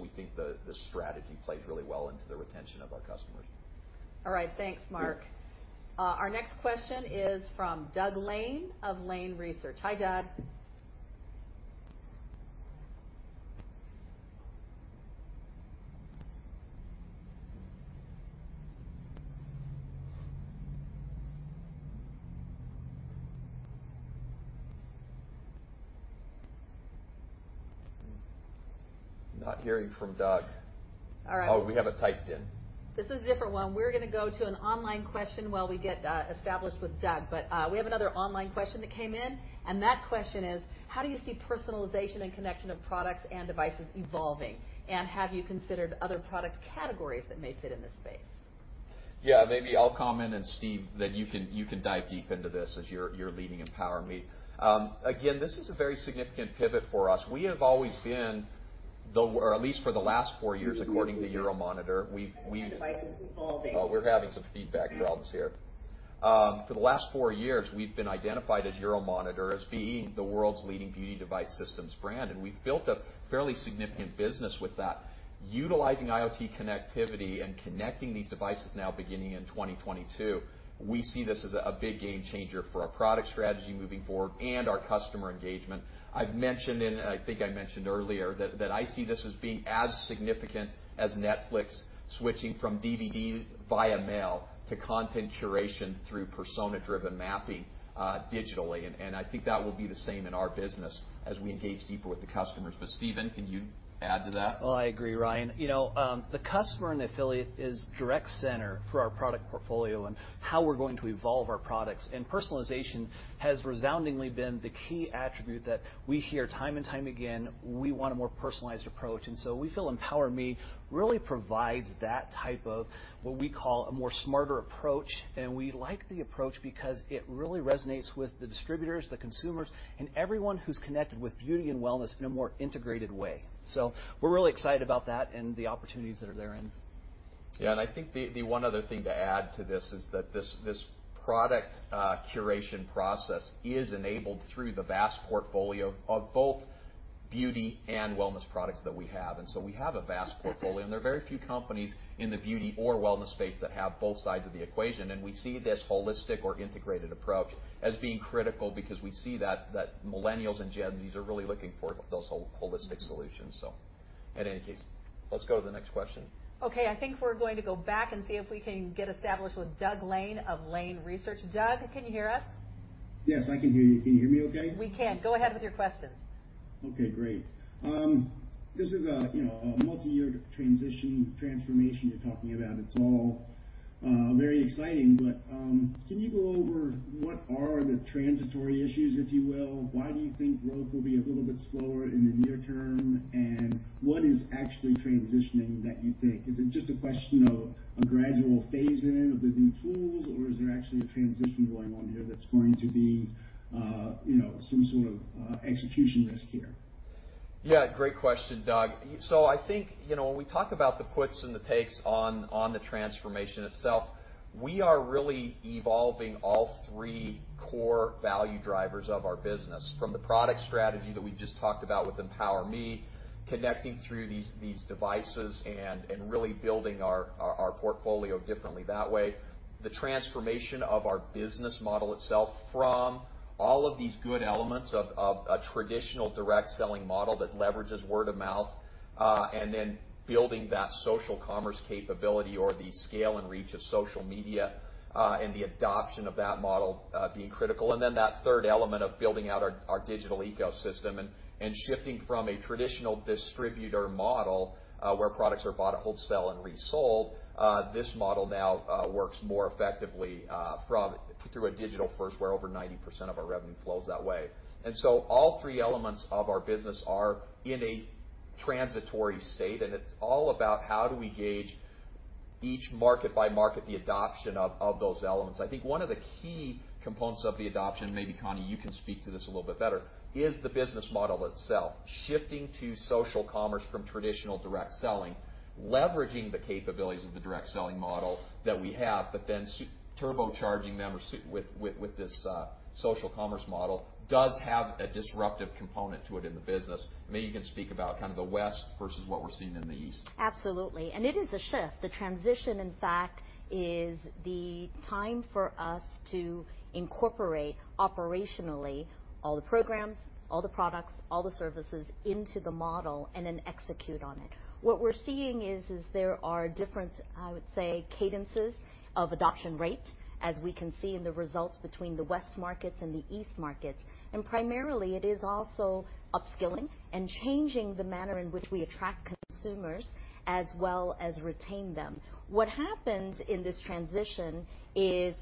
We think the strategy plays really well into the retention of our customers. All right. Thanks, Mark. Our next question is from Doug Lane of Lane Research. Hi, Doug. Not hearing from Doug. All right. Oh, we have it typed in. This is a different one. We're going to go to an online question while we get established with Doug. We have another online question that came in, and that question is: How do you see personalization and connection of products and devices evolving? And have you considered other product categories that may fit in this space? Yeah. Maybe I'll comment, and Steve, then you can dive deep into this as you're leading EmpowerMe. Again, this is a very significant pivot for us. We have always been, or at least for the last four years, according to Euromonitor, we've- Devices evolving. Oh, we're having some feedback problems here. For the last four years, we've been identified by Euromonitor as being the world's leading beauty device systems brand, and we've built a fairly significant business with that. Utilizing IoT connectivity and connecting these devices now beginning in 2022, we see this as a big game changer for our product strategy moving forward and our customer engagement. I think I mentioned earlier that I see this as being as significant as Netflix switching from DVD via mail to content curation through persona-driven mapping digitally, and I think that will be the same in our business as we engage deeper with the customers. Steve, can you add to that? Well, I agree, Ryan. The customer and the affiliate is the direct center for our product portfolio and how we're going to evolve our products. Personalization has resoundingly been the key attribute that we hear time and time again, we want a more personalized approach. We feel EmpowerMe really provides that type of what we call a more smarter approach, and we like the approach because it really resonates with the distributors, the consumers, and everyone who's connected with beauty and wellness in a more integrated way. We're really excited about that and the opportunities that are therein. Yeah, I think the one other thing to add to this is that this product curation process is enabled through the vast portfolio of both beauty and wellness products that we have. We have a vast portfolio, and there are very few companies in the beauty or wellness space that have both sides of the equation. We see this holistic or integrated approach as being critical because we see that millennials and Gen Zs are really looking for those holistic solutions. In any case, let's go to the next question. Okay. I think we're going to go back and see if we can get established with Doug Lane of Lane Research. Doug, can you hear us? Yes, I can hear you. Can you hear me okay? We can. Go ahead with your questions. Okay, great. This is a multi-year transition transformation you're talking about. It's all very exciting, but can you go over what are the transitory issues, if you will? Why do you think growth will be a little bit slower in the near term, and what is actually transitioning that you think? Is it just a question of a gradual phase-in of the new tools, or is there actually a transition going on here that's going to be some sort of execution risk here? Yeah, great question, Doug. So I think, when we talk about the puts and the takes on the transformation itself, we are really evolving all three core value drivers of our business from the product strategy that we just talked about with EmpowerMe, connecting through these devices and really building our portfolio differently that way. The transformation of our business model itself from all of these good elements of a traditional direct selling model that leverages word of mouth, and then building that social commerce capability or the scale and reach of social media, and the adoption of that model, being critical. That third element of building out our digital ecosystem and shifting from a traditional distributor model, where products are bought at wholesale and resold. This model now works more effectively through a digital first where over 90% of our revenue flows that way. All three elements of our business are in a transitory state, and it's all about how do we gauge each market by market, the adoption of those elements. I think one of the key components of the adoption, maybe Connie, you can speak to this a little bit better, is the business model itself. Shifting to social commerce from traditional direct selling, leveraging the capabilities of the direct selling model that we have, but then turbocharging members with this social commerce model does have a disruptive component to it in the business. Maybe you can speak about kind of the West versus what we're seeing in the East. Absolutely. It is a shift. The transition, in fact, is the time for us to incorporate operationally all the programs, all the products, all the services into the model and then execute on it. What we're seeing is there are different, I would say, cadences of adoption rate as we can see in the results between the West markets and the East markets. Primarily it is also upskilling and changing the manner in which we attract consumers as well as retain them. What happens in this transition is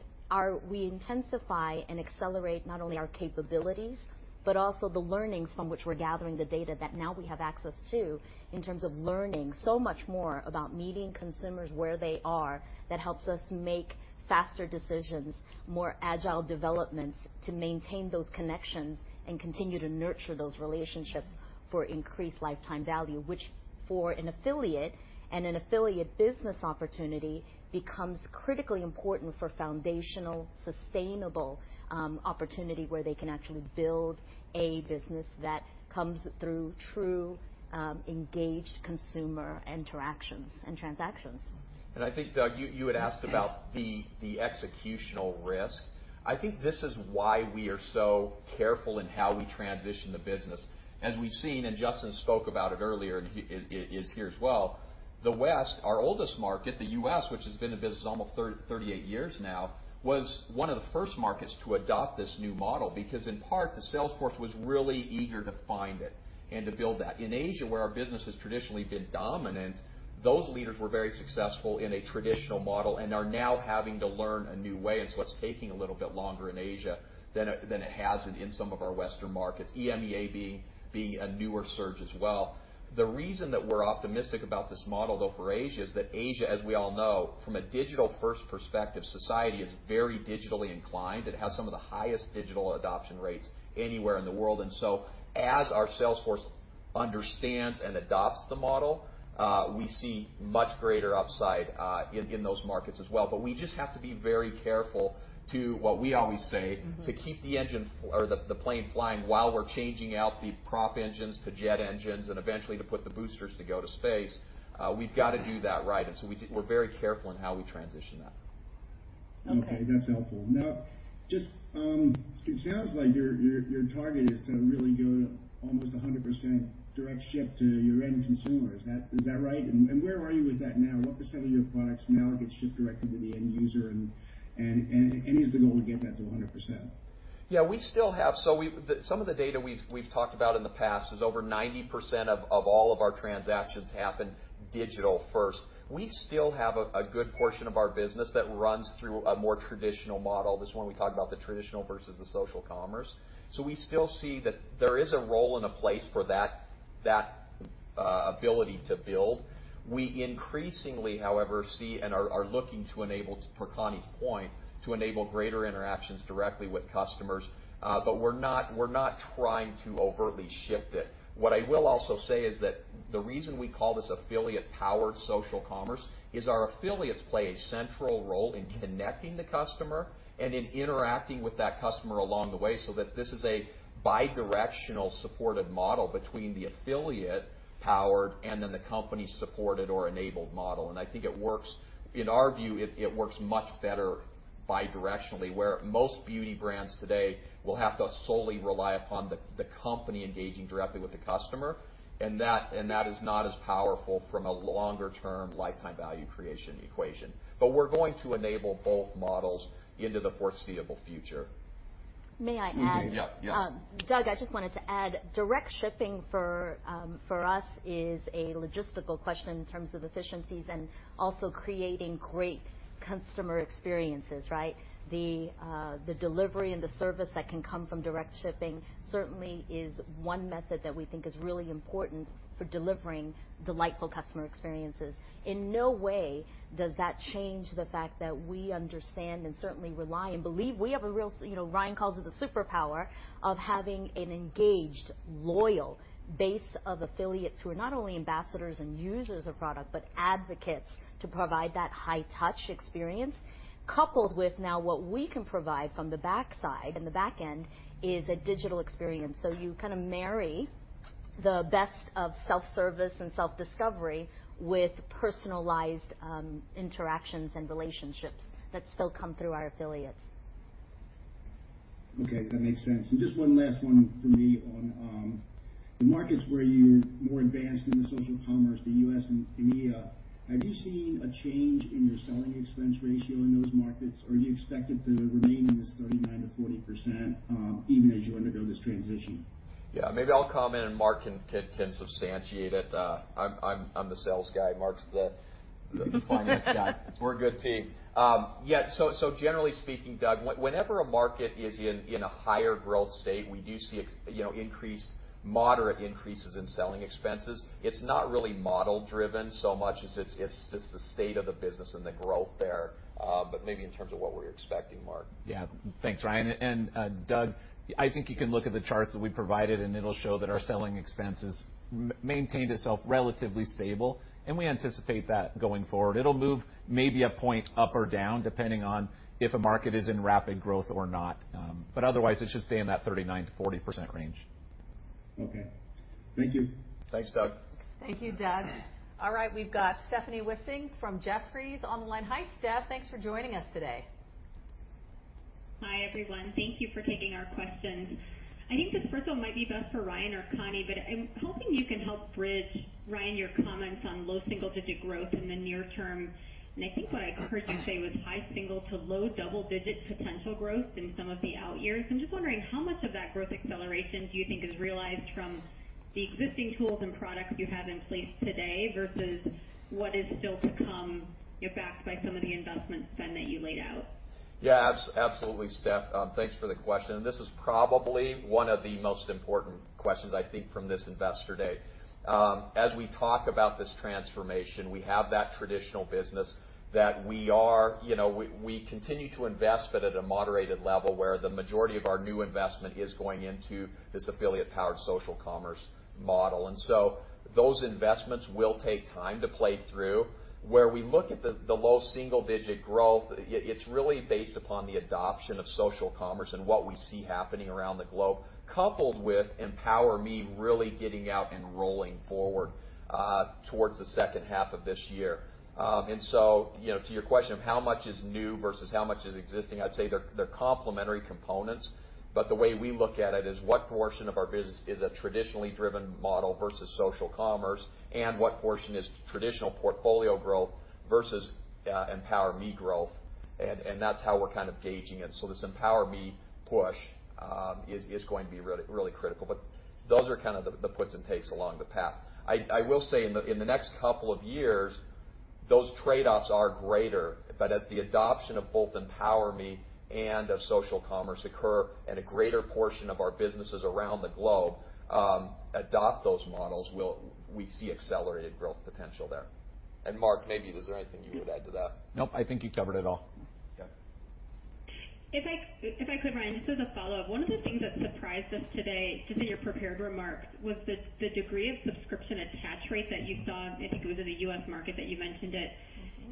we intensify and accelerate not only our capabilities, but also the learnings from which we're gathering the data that now we have access to in terms of learning so much more about meeting consumers where they are, that helps us make faster decisions, more agile developments to maintain those connections and continue to nurture those relationships for increased lifetime value. Which for an affiliate and an affiliate business opportunity becomes critically important for foundational, sustainable, opportunity where they can actually build a business that comes through true, engaged consumer interactions and transactions. I think, Doug, you had asked about the executional risk. I think this is why we are so careful in how we transition the business. As we've seen, and Justin spoke about it earlier, and is here as well, the West, our oldest market, the U.S., which has been in business almost 38 years now, was one of the first markets to adopt this new model because in part, the sales force was really eager to find it and to build that. In Asia, where our business has traditionally been dominant, those leaders were very successful in a traditional model and are now having to learn a new way. It's what's taking a little bit longer in Asia than it has in some of our Western markets, EMEA being a newer surge as well. The reason that we're optimistic about this model though for Asia is that Asia, as we all know, from a digital-first perspective, society is very digitally inclined. It has some of the highest digital adoption rates anywhere in the world. As our sales force understands and adopts the model, we see much greater upside in those markets as well. We just have to be very careful to what we always say. To keep the plane flying while we're changing out the prop engines to jet engines, and eventually to put the boosters to go to space, we've got to do that right. We're very careful in how we transition that. Okay. Okay, that's helpful. Now, it sounds like your target is to really go to almost 100% direct ship to your end consumer. Is that right? And where are you with that now? What percent of your products now get shipped directly to the end user? And is the goal to get that to 100%? Yeah, some of the data we've talked about in the past is over 90% of all of our transactions happen digital first. We still have a good portion of our business that runs through a more traditional model. This one we talked about, the traditional versus the social commerce. We still see that there is a role and a place for that that ability to build. We increasingly, however, see and are looking to enable, per Connie's point, to enable greater interactions directly with customers. We're not trying to overtly shift it. What I will also say is that the reason we call this affiliate-powered social commerce is our affiliates play a central role in connecting the customer and in interacting with that customer along the way, so that this is a bi-directional supported model between the affiliate-powered and then the company-supported or enabled model. I think, in our view, it works much better bidirectionally, where most beauty brands today will have to solely rely upon the company engaging directly with the customer. That is not as powerful from a longer-term lifetime value creation equation. We're going to enable both models into the foreseeable future. May I add? Yeah. Doug, I just wanted to add, direct shipping for us is a logistical question in terms of efficiencies and also creating great customer experiences, right? The delivery and the service that can come from direct shipping certainly is one method that we think is really important for delivering delightful customer experiences. In no way does that change the fact that we understand and certainly rely and believe. We have. Ryan calls it the superpower of having an engaged, loyal base of affiliates who are not only ambassadors and users of product, but advocates to provide that high touch experience, coupled with now what we can provide from the backside and the back end is a digital experience. You kind of marry the best of self-service and self-discovery with personalized interactions and relationships that still come through our affiliates. Okay, that makes sense. Just one last one from me on the markets where you're more advanced in the social commerce, the U.S. and EMEA, have you seen a change in your selling expense ratio in those markets? Or do you expect it to remain in this 39%-40%, even as you undergo this transition? Yeah, maybe I'll comment, and Mark can substantiate it. I'm the sales guy. Mark's the finance guy. We're a good team. Yeah. Generally speaking, Doug, whenever a market is in a higher growth state, we do see moderate increases in selling expenses. It's not really model-driven so much as it's the state of the business and the growth there. Maybe in terms of what we're expecting, Mark. Yeah. Thanks, Ryan, and Doug, I think you can look at the charts that we provided, and it'll show that our selling expenses maintained itself relatively stable, and we anticipate that going forward. It'll move maybe a point up or down, depending on if a market is in rapid growth or not. Otherwise, it should stay in that 39%-40% range. Okay. Thank you. Thanks, Doug. Thank you, Doug. All right. We've got Stephanie Wissink from Jefferies online. Hi, Steph. Thanks for joining us today. Hi, everyone. Thank you for taking our questions. I think this first one might be best for Ryan or Connie, but I'm hoping you can help bridge, Ryan, your comments on low single-digit growth in the near term. I think what I heard you say was high single to low double-digit potential growth in some of the out years. I'm just wondering how much of that growth acceleration do you think is realized from the existing tools and products you have in place today versus what is still to come, backed by some of the investment spend that you laid out? Yeah. Absolutely, Steph. Thanks for the question. This is probably one of the most important questions, I think, from this Investor Day. As we talk about this transformation, we have that traditional business that we continue to invest but at a moderated level, where the majority of our new investment is going into this affiliate-powered social commerce model. Those investments will take time to play through. Where we look at the low single-digit growth, it's really based upon the adoption of social commerce and what we see happening around the globe, coupled with EmpowerMe really getting out and rolling forward towards the second half of this year. To your question of how much is new versus how much is existing, I'd say they're complementary components. The way we look at it is what portion of our business is a traditionally driven model versus social commerce, and what portion is traditional portfolio growth versus EmpowerMe growth, and that's how we're kind of gauging it. This EmpowerMe push is going to be really critical. Those are kind of the puts and takes along the path. I will say, in the next couple of years, those trade-offs are greater. As the adoption of both EmpowerMe and of social commerce occur and a greater portion of our businesses around the globe adopt those models, we see accelerated growth potential there. Mark, maybe, was there anything you would add to that? Nope, I think you covered it all. Yeah. If I could, Ryan, just as a follow-up. One of the things that surprised us today, just in your prepared remarks, was the degree of subscription attach rate that you saw, I think it was in the U.S. market that you mentioned it,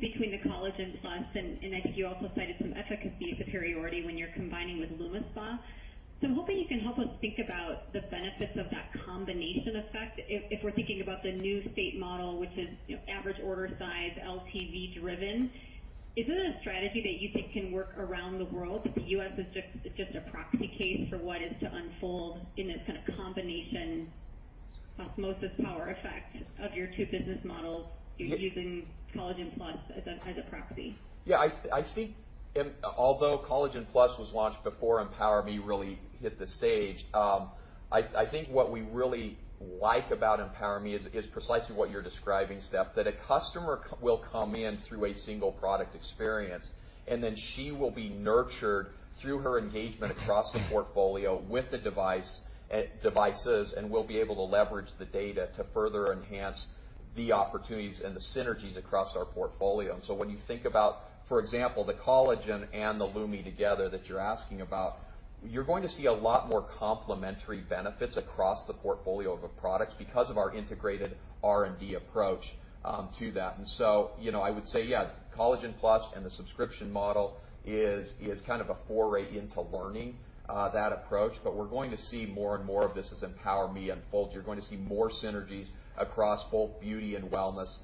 between the Collagen+, and I think you also cited some efficacy superiority when you're combining with LumiSpa. I'm hoping you can help us think about the benefits of that combination effect. If we're thinking about the new state model, which is average order size, LTV driven, is it a strategy that you think can work around the world? The U.S. is just a proxy case for what is to unfold in this kind of combination osmosis power effect of your two business models using Collagen+ as a proxy. Yeah. I think although Collagen+ was launched before EmpowerMe really hit the stage, I think what we really like about EmpowerMe is precisely what you're describing, Steph, that a customer will come in through a single product experience, and then she will be nurtured through her engagement across the portfolio with the devices, and we'll be able to leverage the data to further enhance the opportunities and the synergies across our portfolio. When you think about, for example, the Collagen and the Lumi together that you're asking about. You're going to see a lot more complementary benefits across the portfolio of our products because of our integrated R&D approach to that. I would say, yeah, Collagen+ and the subscription model is kind of a foray into learning that approach. We're going to see more and more of this as EmpowerMe unfolds. You're going to see more synergies across both beauty and wellness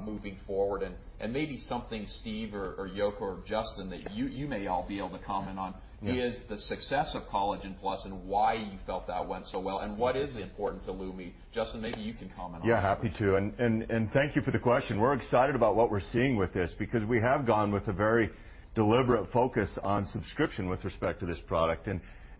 moving forward. Maybe something Steve or Yoko or Justin, that you may all be able to comment on. Yeah... is the success of Collagen+ and why you felt that went so well, and what is important to Lumi. Justin, maybe you can comment on that. Yeah, happy to, and thank you for the question. We're excited about what we're seeing with this because we have gone with a very deliberate focus on subscription with respect to this product,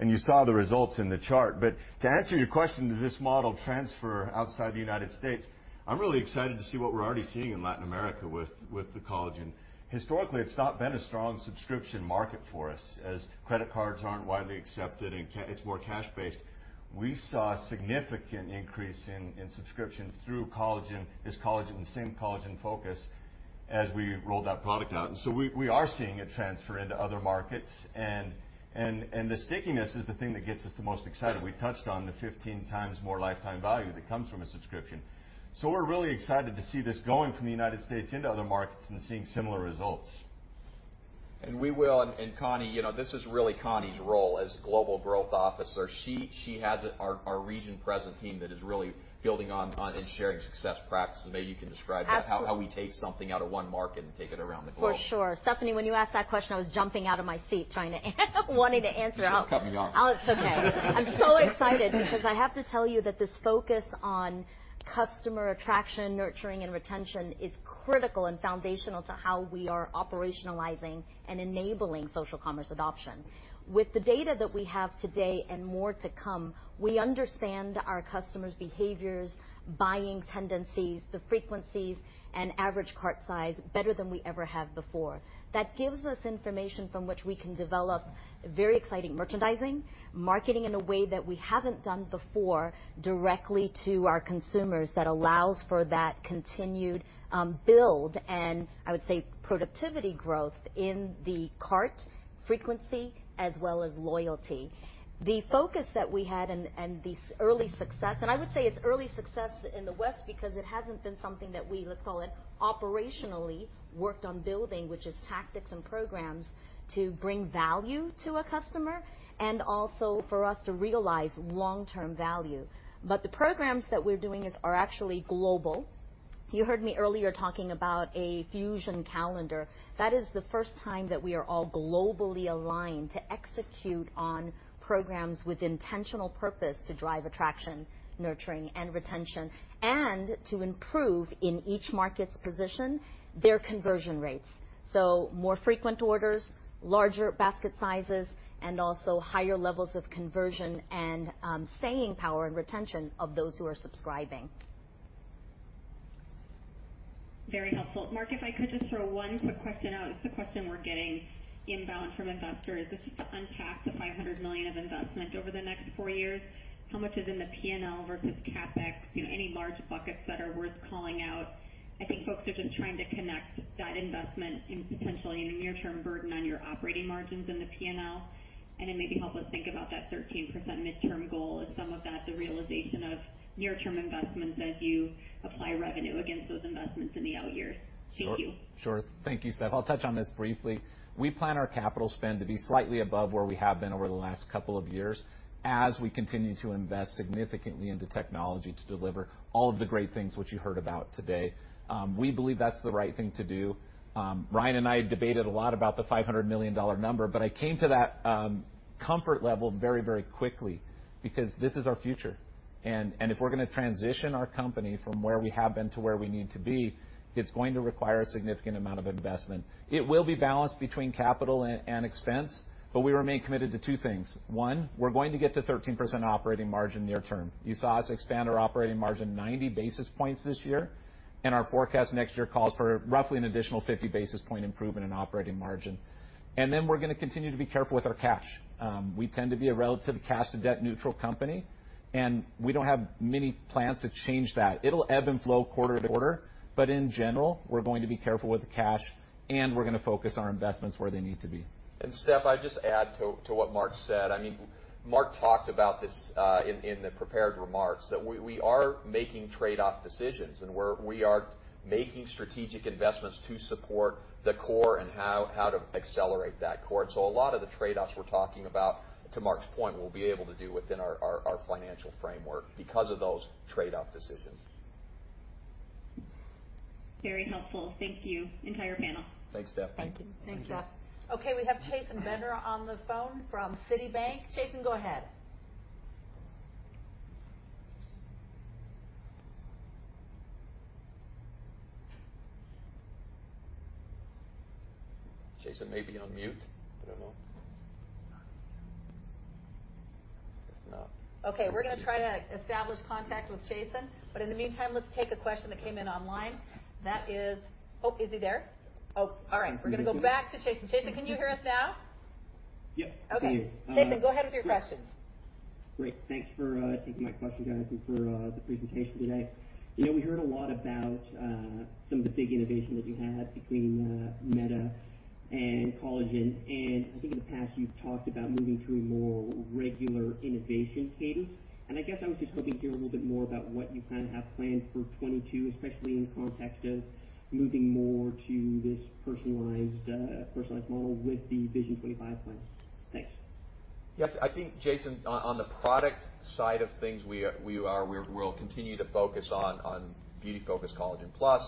and you saw the results in the chart. To answer your question, does this model transfer outside the United States? I'm really excited to see what we're already seeing in Latin America with the collagen. Historically, it's not been a strong subscription market for us as credit cards aren't widely accepted and it's more cash-based. We saw a significant increase in subscription through this collagen, the same collagen focus, as we rolled that product out. We are seeing it transfer into other markets, and the stickiness is the thing that gets us the most excited. We touched on the 15 times more lifetime value that comes from a subscription. We're really excited to see this going from the United States into other markets and seeing similar results. We will, Connie, this is really Connie's role as global growth officer. She has our region president team that is really building on and sharing success practices. Maybe you can describe that. Absolutely how we take something out of one market and take it around the globe. For sure. Stephanie, when you asked that question, I was jumping out of my seat wanting to answer. She cut me off. It's okay. I'm so excited because I have to tell you that this focus on customer attraction, nurturing, and retention is critical and foundational to how we are operationalizing and enabling social commerce adoption. With the data that we have today and more to come, we understand our customers' behaviors, buying tendencies, the frequencies, and average cart size better than we ever have before. That gives us information from which we can develop very exciting merchandising, marketing in a way that we haven't done before directly to our consumers that allows for that continued build and, I would say, productivity growth in the cart frequency as well as loyalty. The focus that we had and the early success, and I would say it's early success in the West because it hasn't been something that we, let's call it, operationally worked on building, which is tactics and programs to bring value to a customer, and also for us to realize long-term value. The programs that we're doing are actually global. You heard me earlier talking about a Fusion Calendar. That is the first time that we are all globally aligned to execute on programs with intentional purpose to drive attraction, nurturing, and retention, and to improve, in each market's position, their conversion rates. More frequent orders, larger basket sizes, and also higher levels of conversion and staying power and retention of those who are subscribing. Very helpful. Mark, if I could just throw one quick question out. It's a question we're getting inbound from investors. Just to unpack the $500 million of investment over the next 4 years, how much is in the P&L versus CapEx? Any large buckets that are worth calling out? I think folks are just trying to connect that investment in potentially a near-term burden on your operating margins in the P&L. It may help us think about that 13% midterm goal, is some of that the realization of near-term investments as you apply revenue against those investments in the out years? Thank you. Sure. Thank you, Steph. I'll touch on this briefly. We plan our capital spend to be slightly above where we have been over the last couple of years as we continue to invest significantly into technology to deliver all of the great things which you heard about today. We believe that's the right thing to do. Ryan and I debated a lot about the $500 million number, but I came to that comfort level very quickly because this is our future. If we're going to transition our company from where we have been to where we need to be, it's going to require a significant amount of investment. It will be balanced between capital and expense, but we remain committed to two things. One, we're going to get to 13% operating margin near-term. You saw us expand our operating margin 90 basis points this year, and our forecast next year calls for roughly an additional 50 basis points improvement in operating margin. Then we're going to continue to be careful with our cash. We tend to be a relative cash to debt neutral company, and we don't have many plans to change that. It'll ebb and flow quarter to quarter, but in general, we're going to be careful with the cash, and we're going to focus our investments where they need to be. Steph, I'd just add to what Mark said. Mark talked about this in the prepared remarks, that we are making trade-off decisions, and we are making strategic investments to support the core and how to accelerate that core. A lot of the trade-offs we're talking about, to Mark's point, we'll be able to do within our financial framework because of those trade-off decisions. Very helpful. Thank you, entire panel. Thanks, Steph. Thank you. Thanks, Steph. Okay, we have Chasen Bender on the phone from Citibank. Chasen, go ahead. Chasen may be on mute. I don't know. If not. Okay, we're going to try to establish contact with Chasen. In the meantime, let's take a question that came in online. Oh, is he there? Oh, all right. We're going to go back to Chasen. Chasen, can you hear us now? Yep. Okay. I can hear you. Chasen, go ahead with your questions. Great. Thanks for taking my questions, guys, and for the presentation today. We heard a lot about some of the big innovation that you had between Meta and Collagen, and I think in the past, you've talked about moving through more regular innovation cadence. I guess I was just hoping to hear a little bit more about what you have planned for 2022, especially in context of moving more to this personalized model with the Nu Vision 2025 plan. Thanks. Yes. I think, Chasen, on the product side of things, we'll continue to focus on Beauty Focus Collagen+, Meta roll-outs.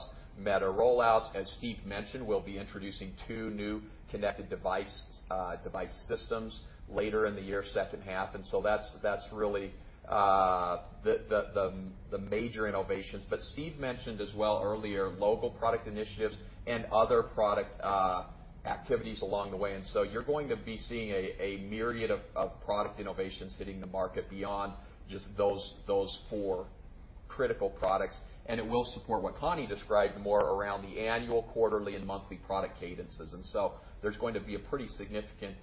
As Steve mentioned, we'll be introducing two new connected device systems later in the year, second half. That's really the major innovations. Steve mentioned as well earlier, local product initiatives and other product activities along the way. You're going to be seeing a myriad of product innovations hitting the market beyond just those four critical products. It will support what Connie described more around the annual, quarterly, and monthly product cadences. There's going to be a pretty significant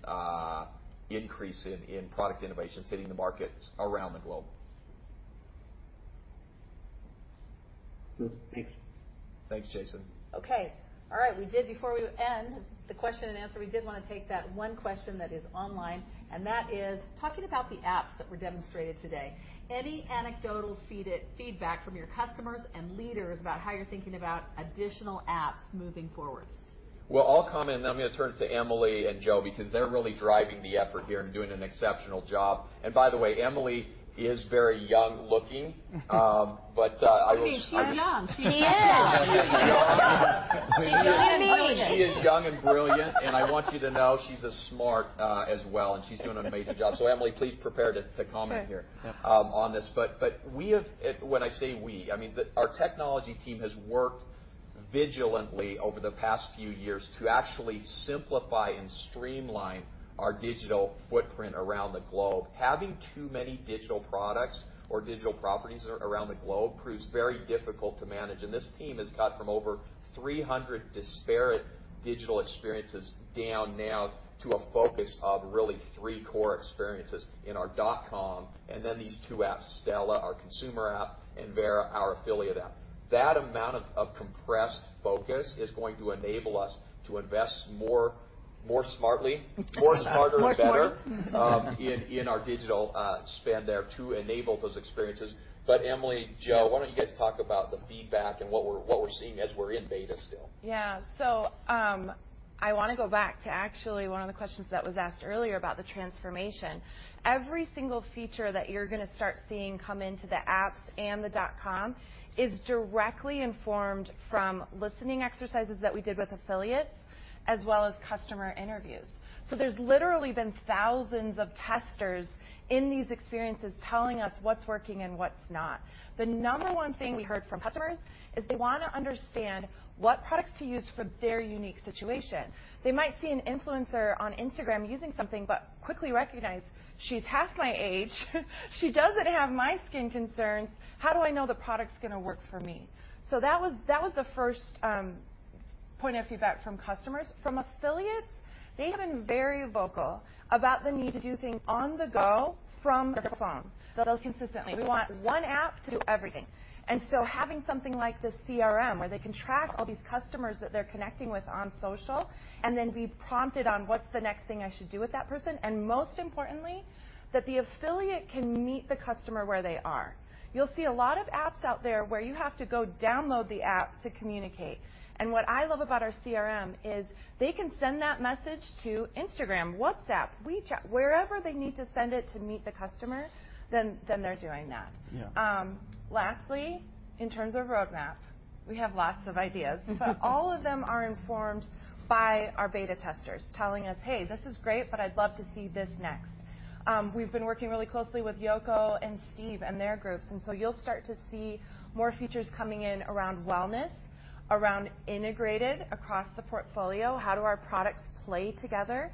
increase in product innovations hitting the market around the globe. Good. Thanks. Thanks, Chasen. Okay. All right. Before we end the question and answer, we did want to take that one question that is online, and that is talking about the apps that were demonstrated today. Any anecdotal feedback from your customers and leaders about how you're thinking about additional apps moving forward? Well, I'll comment, and then I'm going to turn to Emily and Joe because they're really driving the effort here and doing an exceptional job. By the way, Emily is very young-looking. I will. I mean, she is young. She is. She is young and brilliant, and I want you to know she's as smart as well, and she's doing an amazing job. Emily, please prepare to comment here. Sure On this. We have, when I say we, I mean our technology team has worked vigilantly over the past few years to actually simplify and streamline our digital footprint around the globe. Having too many digital products or digital properties around the globe proves very difficult to manage. This team has cut from over 300 disparate digital experiences down now to a focus of really three core experiences in our dot-com and then these two apps, Stela, our consumer app, and Vera, our affiliate app. That amount of compressed focus is going to enable us to invest more smartly, more smarter and better. More smarter.... in our digital spend there to enable those experiences. Emily, Joe, why don't you guys talk about the feedback and what we're seeing as we're in beta still? Yeah. I want to go back to actually one of the questions that was asked earlier about the transformation. Every single feature that you're going to start seeing come into the apps and the dot-com is directly informed from listening exercises that we did with affiliates, as well as customer interviews. There's literally been thousands of testers in these experiences telling us what's working and what's not. The number one thing we heard from customers is they want to understand what products to use for their unique situation. They might see an influencer on Instagram using something, but quickly recognize she's half my age, she doesn't have my skin concerns. How do I know the product's going to work for me? That was the first point of feedback from customers. From affiliates, they have been very vocal about the need to do things on the go from their phone. They'll tell us consistently, we want one app to do everything. Having something like the CRM, where they can track all these customers that they're connecting with on social, and then be prompted on what's the next thing I should do with that person, and most importantly, that the affiliate can meet the customer where they are. You'll see a lot of apps out there where you have to go download the app to communicate. What I love about our CRM is they can send that message to Instagram, WhatsApp, WeChat. Wherever they need to send it to meet the customer, then they're doing that. Yeah. Lastly, in terms of roadmap, we have lots of ideas, but all of them are informed by our beta testers telling us, Hey, this is great, but I'd love to see this next. We've been working really closely with Yoko and Steve and their groups, and you'll start to see more features coming in around wellness, around integrated across the portfolio. How do our products play together?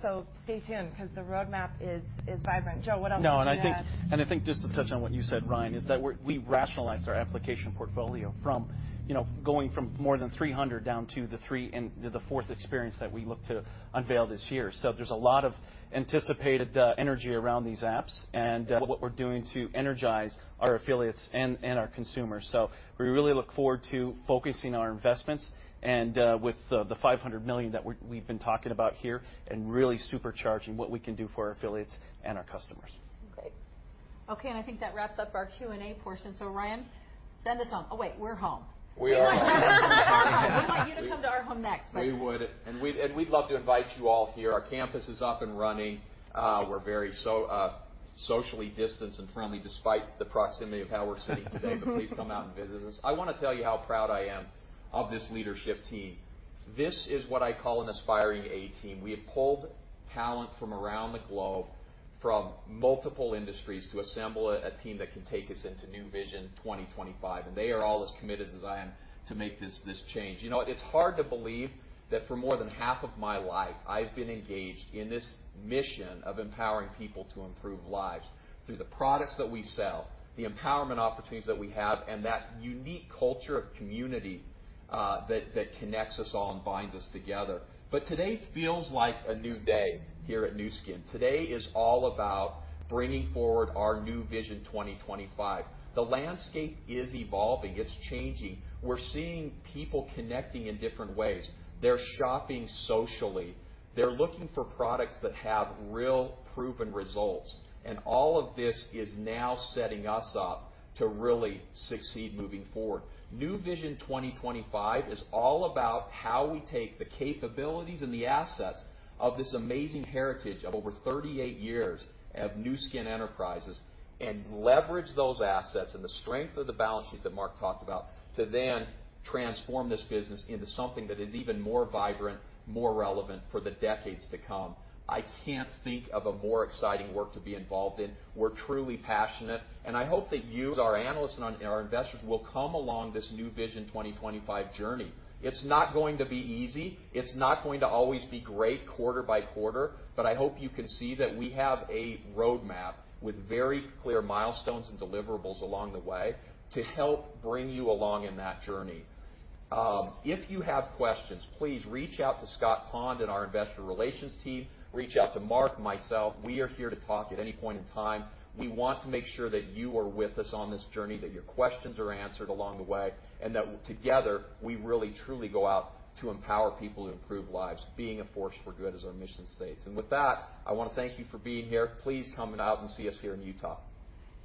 Stay tuned because the roadmap is vibrant. Joe, what else would you add? No, I think just to touch on what you said, Ryan, is that we rationalized our application portfolio from going from more than 300 down to the three and the fourth experience that we look to unveil this year. There's a lot of anticipated energy around these apps and what we're doing to energize our affiliates and our consumers. We really look forward to focusing our investments and with the $500 million that we've been talking about here and really supercharging what we can do for our affiliates and our customers. Great. Okay, and I think that wraps up our Q&A portion. Ryan, send us home. Oh, wait, we're home. We are home. We want you to come to our home next, but. We would. We'd love to invite you all here. Our campus is up and running. We're very socially distanced and friendly, despite the proximity of how we're sitting today, but please come out and visit us. I want to tell you how proud I am of this leadership team. This is what I call an aspiring A team. We have pulled talent from around the globe from multiple industries to assemble a team that can take us into Nu Vision 2025, and they are all as committed as I am to make this change. It's hard to believe that for more than half of my life, I've been engaged in this mission of empowering people to improve lives through the products that we sell, the empowerment opportunities that we have, and that unique culture of community that connects us all and binds us together. Today feels like a new day here at Nu Skin. Today is all about bringing forward our Nu Vision 2025. The landscape is evolving. It's changing. We're seeing people connecting in different ways. They're shopping socially. They're looking for products that have real proven results, and all of this is now setting us up to really succeed moving forward. Nu Vision 2025 is all about how we take the capabilities and the assets of this amazing heritage of over 38 years of Nu Skin Enterprises and leverage those assets and the strength of the balance sheet that Mark talked about to then transform this business into something that is even more vibrant, more relevant for the decades to come. I can't think of a more exciting work to be involved in. We're truly passionate, and I hope that you, as our analysts and our investors, will come along this Nu Vision 2025 journey. It's not going to be easy. It's not going to always be great quarter by quarter, but I hope you can see that we have a roadmap with very clear milestones and deliverables along the way to help bring you along in that journey. If you have questions, please reach out to Scott Pond and our investor relations team. Reach out to Mark, myself. We are here to talk at any point in time. We want to make sure that you are with us on this journey, that your questions are answered along the way, and that together, we really truly go out to empower people to improve lives. Being a force for good, as our mission states. With that, I want to thank you for being here. Please come on out and see us here in Utah.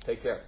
Take care.